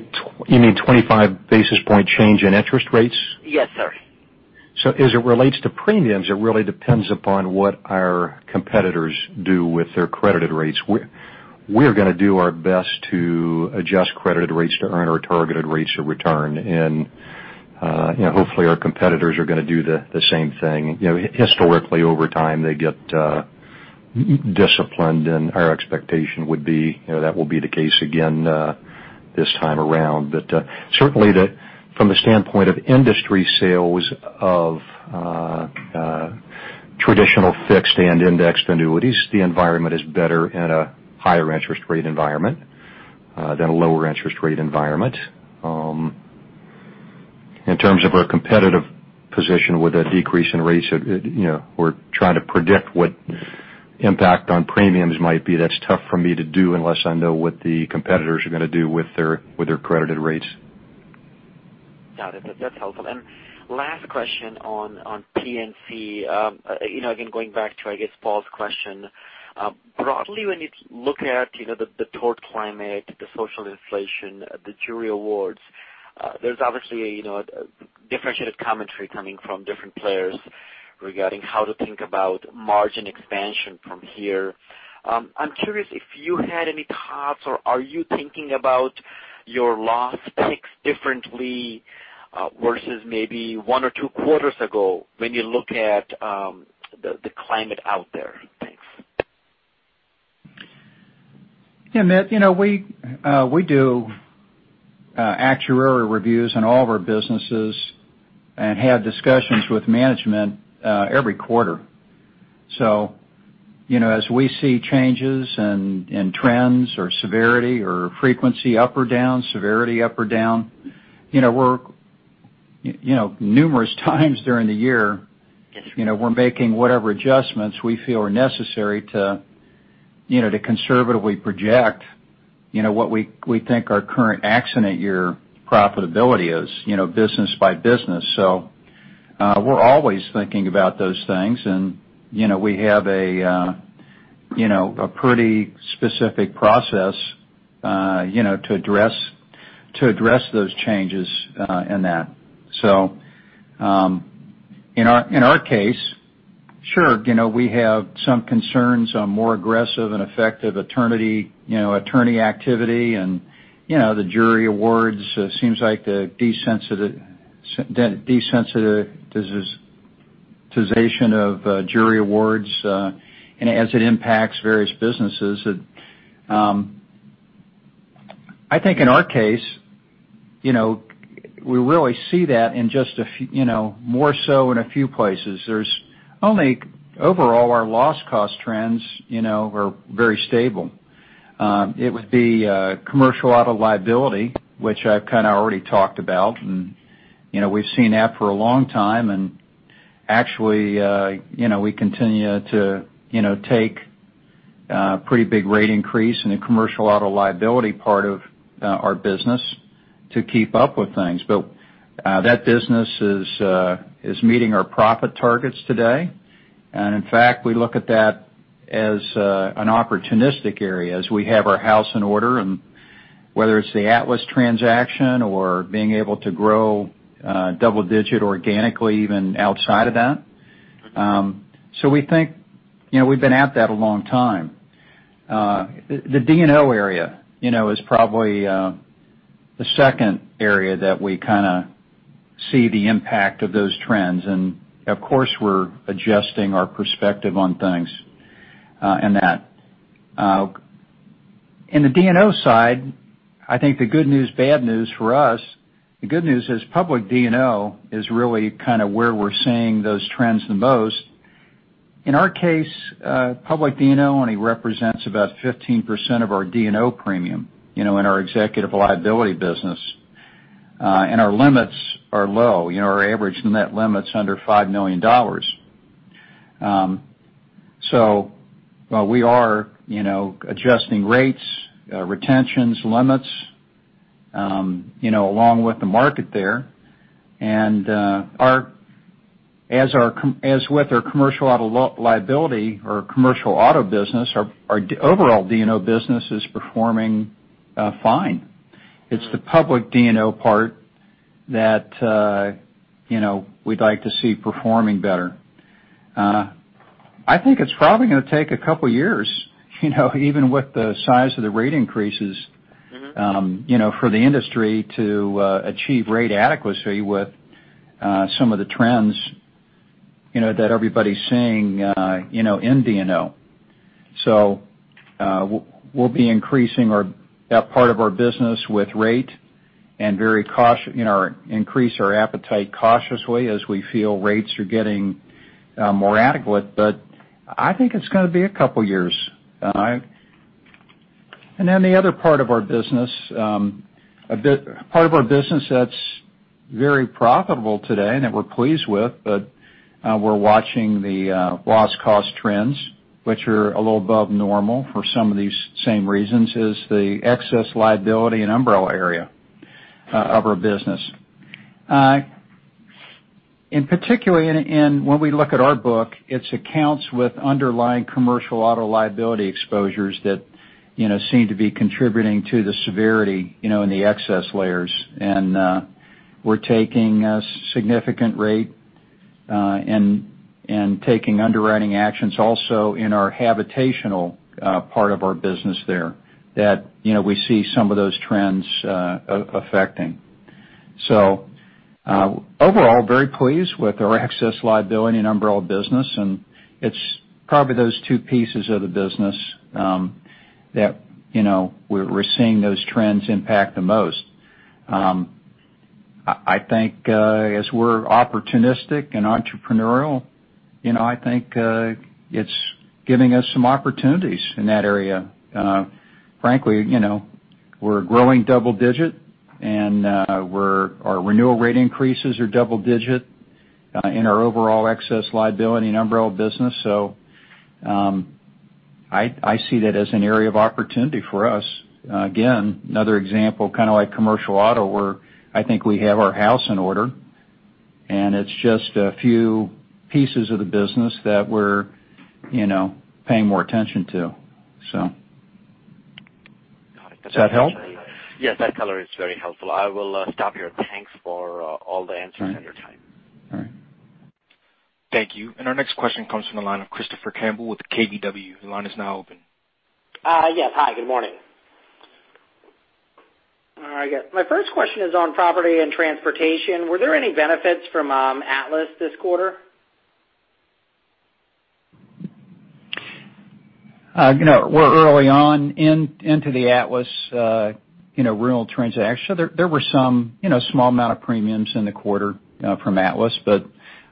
you mean 25 basis point change in interest rates? Yes, sir. As it relates to premiums, it really depends upon what our competitors do with their credited rates. We're going to do our best to adjust credited rates to earn our targeted rates of return, and hopefully our competitors are going to do the same thing. Historically, over time, they get disciplined, and our expectation would be that will be the case again this time around. Certainly from the standpoint of industry sales of traditional fixed and indexed annuities, the environment is better in a higher interest rate environment than a lower interest rate environment. In terms of our competitive position with a decrease in rates, we're trying to predict what impact on premiums might be. That's tough for me to do unless I know what the competitors are going to do with their credited rates. Got it. That's helpful. Last question on P&C. Again, going back to Paul's question. Broadly, when you look at the tort climate, the social inflation, the jury awards, there's obviously a differentiated commentary coming from different players regarding how to think about margin expansion from here. I'm curious if you had any thoughts, or are you thinking about your loss picks differently, versus maybe one or two quarters ago when you look at the climate out there? Thanks. Yeah, Amit. We do actuarial reviews in all of our businesses and have discussions with management every quarter. As we see changes in trends or severity or frequency up or down, severity up or down, numerous times during the year, we're making whatever adjustments we feel are necessary to conservatively project what we think our current accident year profitability is business by business. We're always thinking about those things, and we have a pretty specific process to address those changes in that. In our case, sure, we have some concerns on more aggressive and effective attorney activity and the jury awards. Seems like the desensitization of jury awards as it impacts various businesses. I think in our case, we really see that more so in a few places. Only overall our loss cost trends were very stable. It would be commercial auto liability, which I've kind of already talked about, and we've seen that for a long time. Actually, we continue to take a pretty big rate increase in the commercial auto liability part of our business to keep up with things. That business is meeting our profit targets today. In fact, we look at that as an opportunistic area as we have our house in order, and whether it's the Atlas transaction or being able to grow double-digit organically even outside of that. We think we've been at that a long time. The D&O area is probably the second area that we kind of see the impact of those trends. Of course, we're adjusting our perspective on things in that. In the D&O side, I think the good news, bad news for us, the good news is public D&O is really kind of where we're seeing those trends the most. In our case, public D&O only represents about 15% of our D&O premium in our executive liability business. And our limits are low. Our average net limit's under $5 million. We are adjusting rates, retentions, limits, along with the market there. And as with our commercial auto liability or commercial auto business, our overall D&O business is performing fine. It's the public D&O part that we'd like to see performing better. I think it's probably going to take a couple of years, even with the size of the rate increases for the industry to achieve rate adequacy with some of the trends that everybody's seeing in D&O. We'll be increasing that part of our business with rate and increase our appetite cautiously as we feel rates are getting more adequate. But I think it's going to be a couple of years. And then the other part of our business that's very profitable today and that we're pleased with, but we're watching the loss cost trends, which are a little above normal for some of these same reasons, is the excess liability and umbrella area of our business. In particular, when we look at our book, it's accounts with underlying commercial auto liability exposures that seem to be contributing to the severity in the excess layers. And we're taking a significant rate and taking underwriting actions also in our habitational part of our business there that we see some of those trends affecting. Overall, very pleased with our excess liability and umbrella business, and it's probably those two pieces of the business that we're seeing those trends impact the most. I think as we're opportunistic and entrepreneurial, I think it's giving us some opportunities in that area. Frankly, we're growing double digit, and our renewal rate increases are double digit in our overall excess liability and umbrella business. I see that as an area of opportunity for us. Again, another example, kind of like commercial auto, where I think we have our house in order, and it's just a few pieces of the business that we're paying more attention to. Does that help? Yes, that color is very helpful. I will stop here. Thanks for all the answers and your time. All right. Thank you. Our next question comes from the line of Christopher Campbell with KBW. Your line is now open. Yes. Hi, good morning. My first question is on property and transportation. Were there any benefits from Atlas this quarter? We're early on into the Atlas renewal transaction. There were some small amount of premiums in the quarter from Atlas, but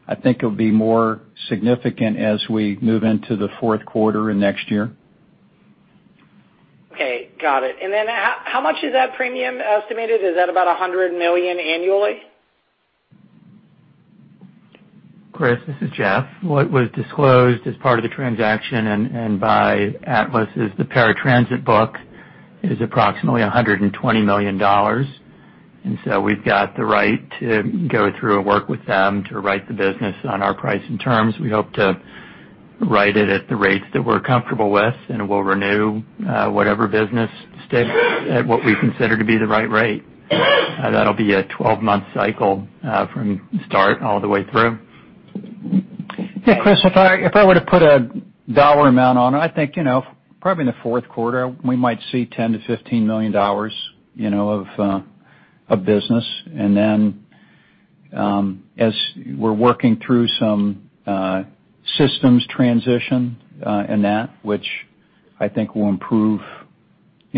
I think it'll be more significant as we move into the fourth quarter and next year. Okay, got it. How much is that premium estimated? Is that about $100 million annually? Christopher, this is Jeff. What was disclosed as part of the transaction and by Atlas is the paratransit book is approximately $120 million. So we've got the right to go through and work with them to write the business on our price and terms. We hope to write it at the rates that we're comfortable with, and we'll renew whatever business sticks at what we consider to be the right rate. That'll be a 12-month cycle from start all the way through. Yeah, Christopher, if I were to put a dollar amount on it, I think probably in the fourth quarter, we might see $10 million-$15 million of business. As we're working through some systems transition in that, which I think will improve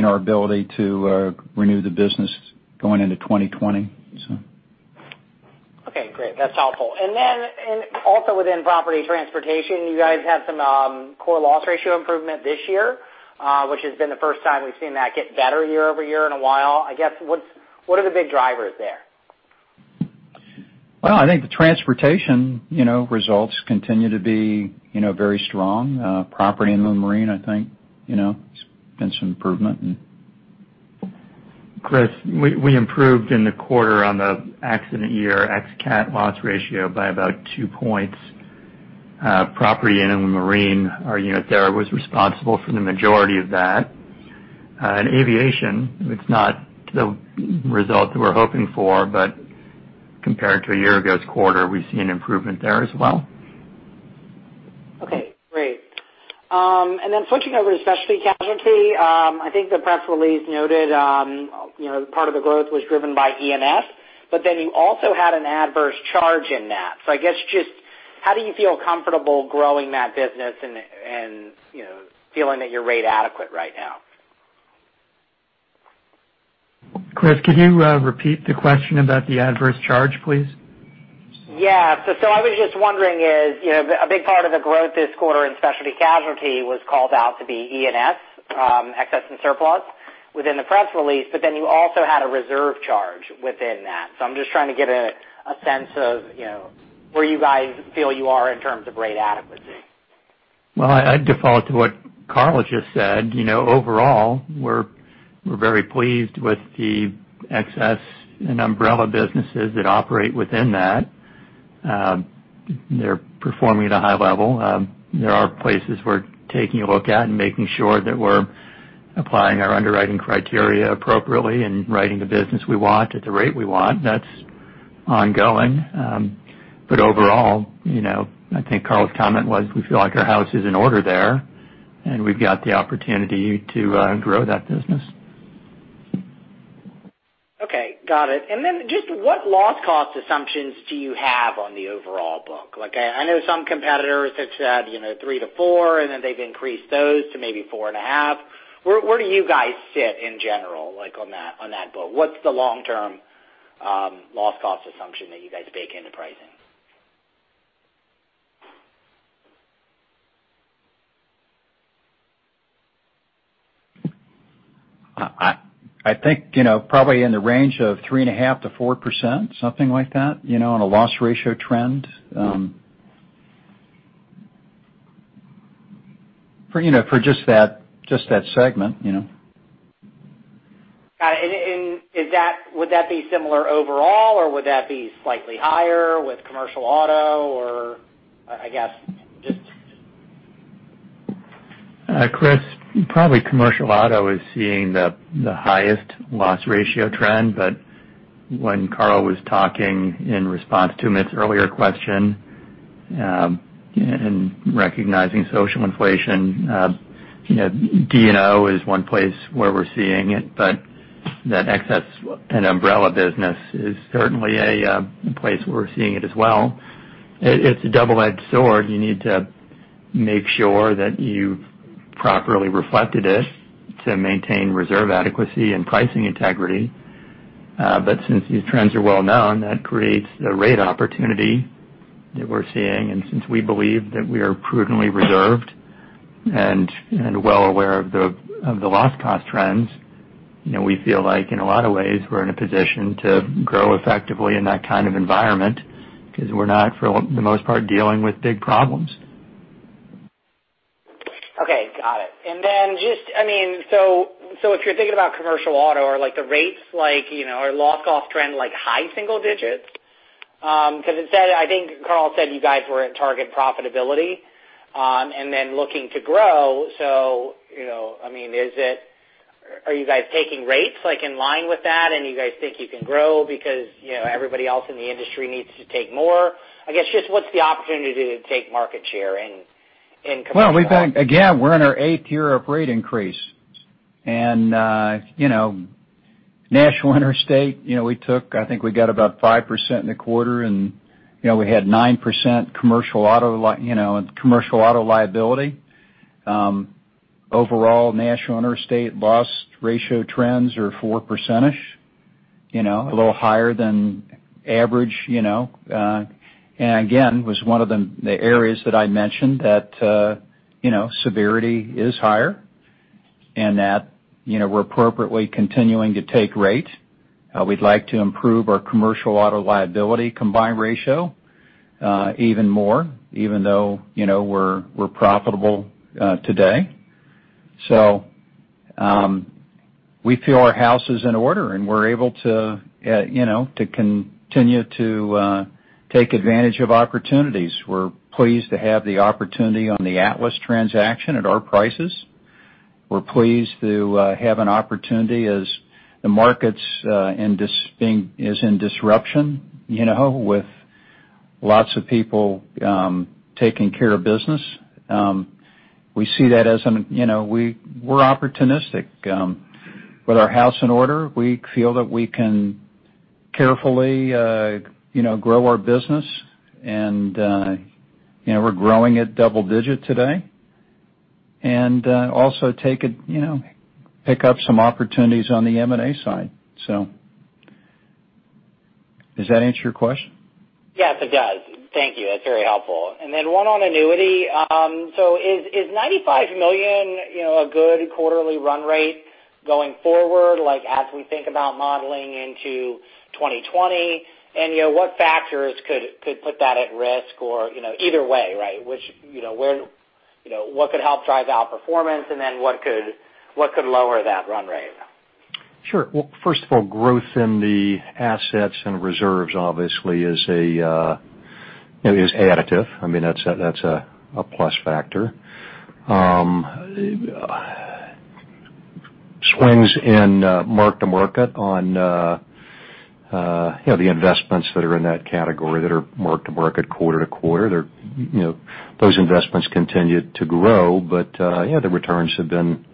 our ability to renew the business going into 2020. Okay, great. That's helpful. Also within property transportation, you guys had some core loss ratio improvement this year, which has been the first time we've seen that get better year-over-year in a while. I guess, what are the big drivers there? Well, I think the transportation results continue to be very strong. Property and marine, I think, there's been some improvement. Chris, we improved in the quarter on the accident year ex-cat loss ratio by about two points. Property and marine, our unit there was responsible for the majority of that. In aviation, it's not the result we're hoping for, but compared to a year ago's quarter, we've seen improvement there as well. Okay, great. Switching over to specialty casualty. I think the press release noted, part of the growth was driven by E&S, you also had an adverse charge in that. I guess just how do you feel comfortable growing that business and feeling that you're rate adequate right now? Chris, can you repeat the question about the adverse charge, please? Yeah. I was just wondering is a big part of the growth this quarter in specialty casualty was called out to be E&S, excess and surplus, within the press release. You also had a reserve charge within that. I'm just trying to get a sense of where you guys feel you are in terms of rate adequacy. Well, I'd default to what Carl just said. Overall, we're very pleased with the excess and umbrella businesses that operate within that. They're performing at a high level. There are places we're taking a look at and making sure that we're applying our underwriting criteria appropriately and writing the business we want at the rate we want. That's ongoing. Overall, I think Carl's comment was we feel like our house is in order there, and we've got the opportunity to grow that business. Okay. Got it. Just what loss cost assumptions do you have on the overall book? I know some competitors have said, 3%-4%, and they've increased those to maybe 4.5%. Where do you guys sit in general on that book? What's the long-term loss cost assumption that you guys bake into pricing? I think probably in the range of 3.5% to 4%, something like that, on a loss ratio trend. For just that segment. Got it. Would that be similar overall, or would that be slightly higher with commercial auto or, I guess, just Chris, probably commercial auto is seeing the highest loss ratio trend, but when Carl was talking in response to Amit's earlier question, and recognizing social inflation, D&O is one place where we're seeing it, but that excess and umbrella business is certainly a place where we're seeing it as well. It's a double-edged sword. You need to make sure that you've properly reflected it to maintain reserve adequacy and pricing integrity. Since these trends are well-known, that creates the rate opportunity that we're seeing. Since we believe that we are prudently reserved and well aware of the loss cost trends, we feel like in a lot of ways, we're in a position to grow effectively in that kind of environment because we're not, for the most part, dealing with big problems. Okay. Got it. If you're thinking about commercial auto or the rates like, our loss cost trend like high single digits? I think Carl said you guys were at target profitability, and then looking to grow. Are you guys taking rates in line with that, and you guys think you can grow because everybody else in the industry needs to take more? I guess just what's the opportunity to take market share in commercial- Well, again, we're in our eighth year of rate increase. National Interstate, I think we got about 5% in the quarter, and we had 9% commercial auto liability. Overall, National Interstate loss ratio trends are four percentage, a little higher than average. Again, was one of the areas that I mentioned that severity is higher and that we're appropriately continuing to take rate. We'd like to improve our commercial auto liability combined ratio even more, even though we're profitable today. We feel our house is in order, and we're able to continue to take advantage of opportunities. We're pleased to have the opportunity on the Atlas transaction at our prices. We're pleased to have an opportunity as the market is in disruption, with lots of people taking care of business. We're opportunistic. With our house in order, we feel that we can carefully grow our business, and we're growing at double digit today. Also pick up some opportunities on the M&A side. Does that answer your question? Yes, it does. Thank you. That's very helpful. Then one on annuity. Is $95 million a good quarterly run rate going forward, like, as we think about modeling into 2020? What factors could put that at risk or either way, right? What could help drive out performance, then what could lower that run rate? Sure. First of all, growth in the assets and reserves obviously is additive. That's a plus factor. Swings in mark to market on the investments that are in that category that are mark to market quarter to quarter, those investments continue to grow. The returns have been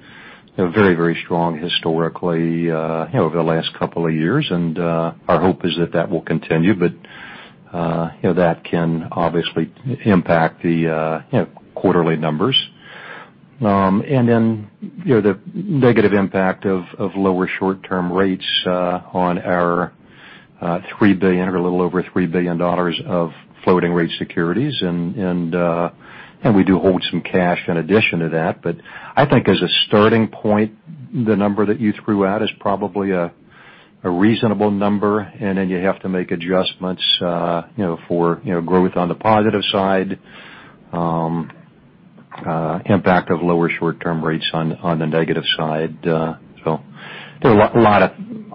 very strong historically over the last couple of years, our hope is that that will continue. That can obviously impact the quarterly numbers. Then the negative impact of lower short-term rates on our little over $3 billion of floating rate securities, we do hold some cash in addition to that. I think as a starting point, the number that you threw out is probably a reasonable number, then you have to make adjustments for growth on the positive side, impact of lower short-term rates on the negative side.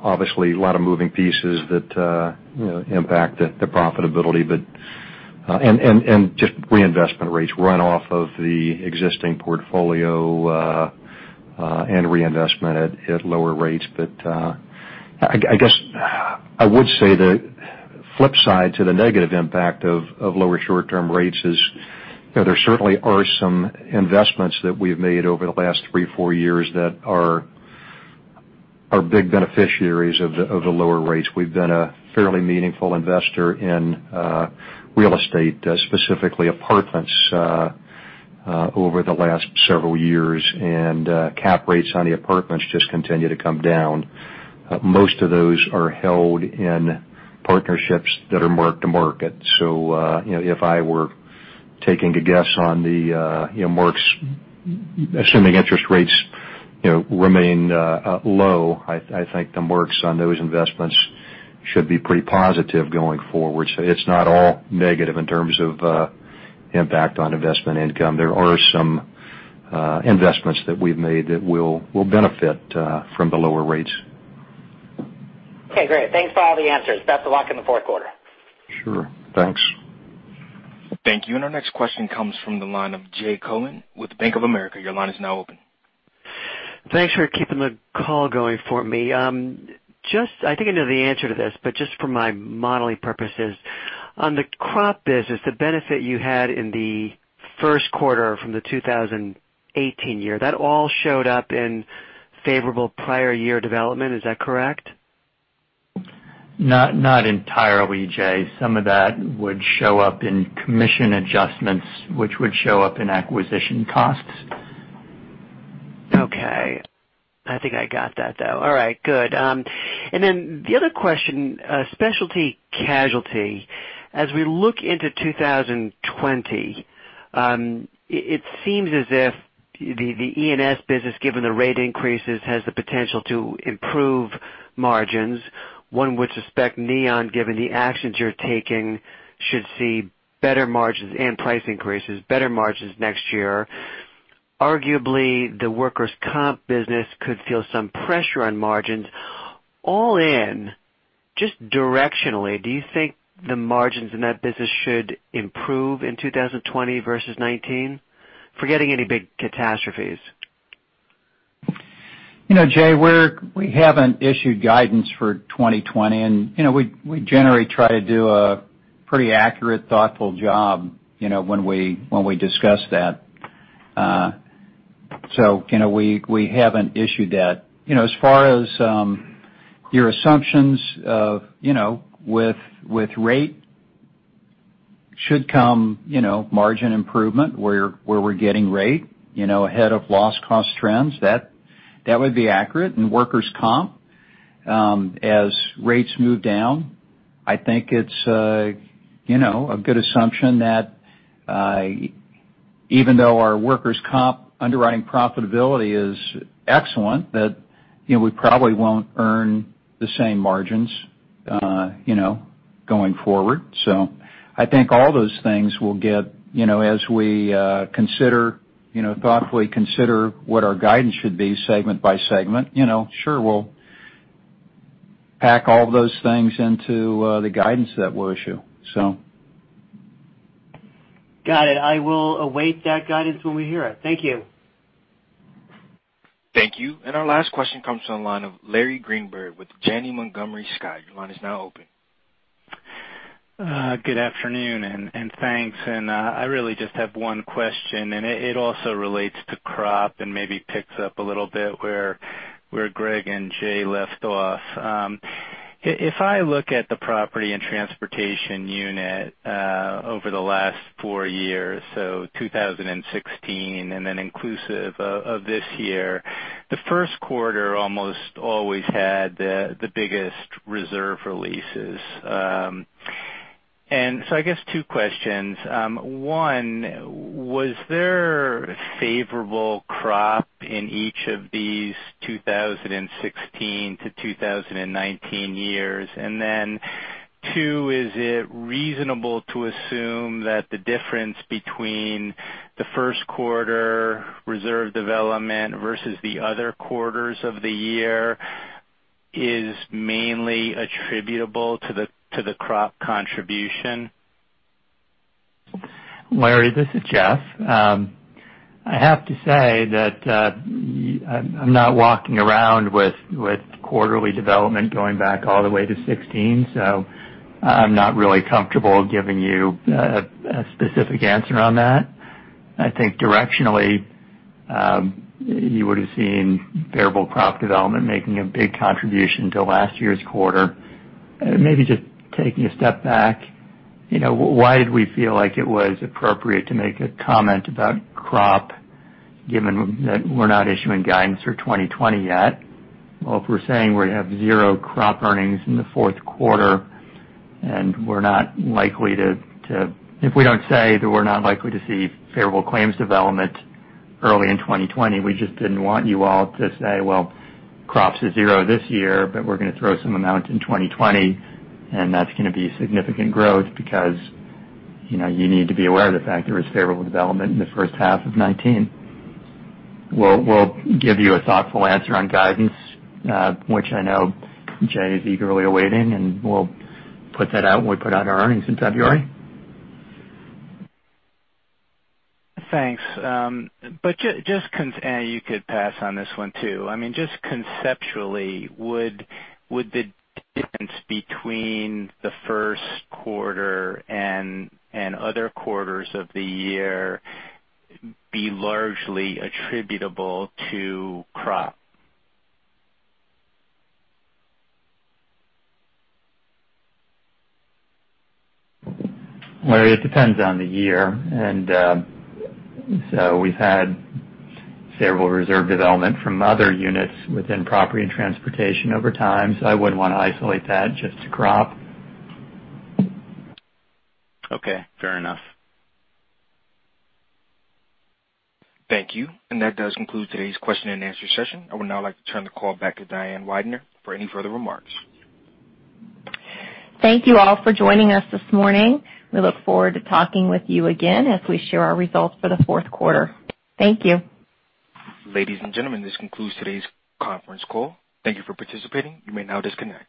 Obviously a lot of moving pieces that impact the profitability, just reinvestment rates run off of the existing portfolio and reinvestment at lower rates. I guess I would say the flip side to the negative impact of lower short-term rates is there certainly are some investments that we've made over the last three, four years that are big beneficiaries of the lower rates. We've been a fairly meaningful investor in real estate, specifically apartments, over the last several years, cap rates on the apartments just continue to come down. Most of those are held in partnerships that are mark to market. If I were taking a guess on the marks, assuming interest rates remain low, I think the marks on those investments should be pretty positive going forward. It's not all negative in terms of impact on investment income. There are some investments that we've made that will benefit from the lower rates. Okay, great. Thanks for all the answers. Best of luck in the fourth quarter. Sure. Thanks. Thank you. Our next question comes from the line of Jay Cohen with Bank of America. Your line is now open. Thanks for keeping the call going for me. I think I know the answer to this, but just for my modeling purposes, on the crop business, the benefit you had in the first quarter from the 2018 year, that all showed up in favorable prior year development, is that correct? Not entirely, Jay. Some of that would show up in commission adjustments, which would show up in acquisition costs. Okay. I think I got that, though. All right, good. The other question, specialty casualty. As we look into 2020, it seems as if the E&S business, given the rate increases, has the potential to improve margins. One would suspect Neon, given the actions you're taking, should see better margins and price increases, better margins next year. Arguably, the workers' comp business could feel some pressure on margins. All in, just directionally, do you think the margins in that business should improve in 2020 versus 2019, forgetting any big catastrophes? Jay, we haven't issued guidance for 2020, and we generally try to do a pretty accurate, thoughtful job when we discuss that. We haven't issued that. As far as your assumptions, with rate should come margin improvement where we're getting rate ahead of loss cost trends. That would be accurate. In workers' comp, as rates move down, I think it's a good assumption that even though our workers' comp underwriting profitability is excellent, that we probably won't earn the same margins going forward. I think all those things will get, as we thoughtfully consider what our guidance should be segment by segment, sure, we'll pack all those things into the guidance that we'll issue. Got it. I will await that guidance when we hear it. Thank you. Thank you. Our last question comes from the line of Larry Greenberg with Janney Montgomery Scott. Your line is now open. Good afternoon, and thanks. I really just have one question, and it also relates to crop and maybe picks up a little bit where Greg and Jay left off. If I look at the Property and Transportation unit over the last four years, so 2016 and then inclusive of this year, the first quarter almost always had the biggest reserve releases. I guess two questions. One, was there favorable crop in each of these 2016 to 2019 years? Two, is it reasonable to assume that the difference between the first quarter reserve development versus the other quarters of the year is mainly attributable to the crop contribution? Larry, this is Jeff. I have to say that I'm not walking around with quarterly development going back all the way to 2016, so I'm not really comfortable giving you a specific answer on that. I think directionally, you would've seen favorable crop development making a big contribution to last year's quarter. Maybe just taking a step back, why did we feel like it was appropriate to make a comment about crop, given that we're not issuing guidance for 2020 yet? Well, if we're saying we have zero crop earnings in the fourth quarter, if we don't say that we're not likely to see favorable claims development early in 2020, we just didn't want you all to say, "Well, crops are zero this year, but we're going to throw some amount in 2020, and that's going to be significant growth," because you need to be aware of the fact there was favorable development in the first half of 2019. We'll give you a thoughtful answer on guidance, which I know Jay is eagerly awaiting, and we'll put that out when we put out our earnings in February. Thanks. You could pass on this one too. Just conceptually, would the difference between the first quarter and other quarters of the year be largely attributable to crop? Larry, it depends on the year, we've had favorable reserve development from other units within property and transportation over time, I wouldn't want to isolate that just to crop. Okay, fair enough. Thank you. That does conclude today's question and answer session. I would now like to turn the call back to Diane Weidner for any further remarks. Thank you all for joining us this morning. We look forward to talking with you again as we share our results for the fourth quarter. Thank you. Ladies and gentlemen, this concludes today's conference call. Thank you for participating. You may now disconnect.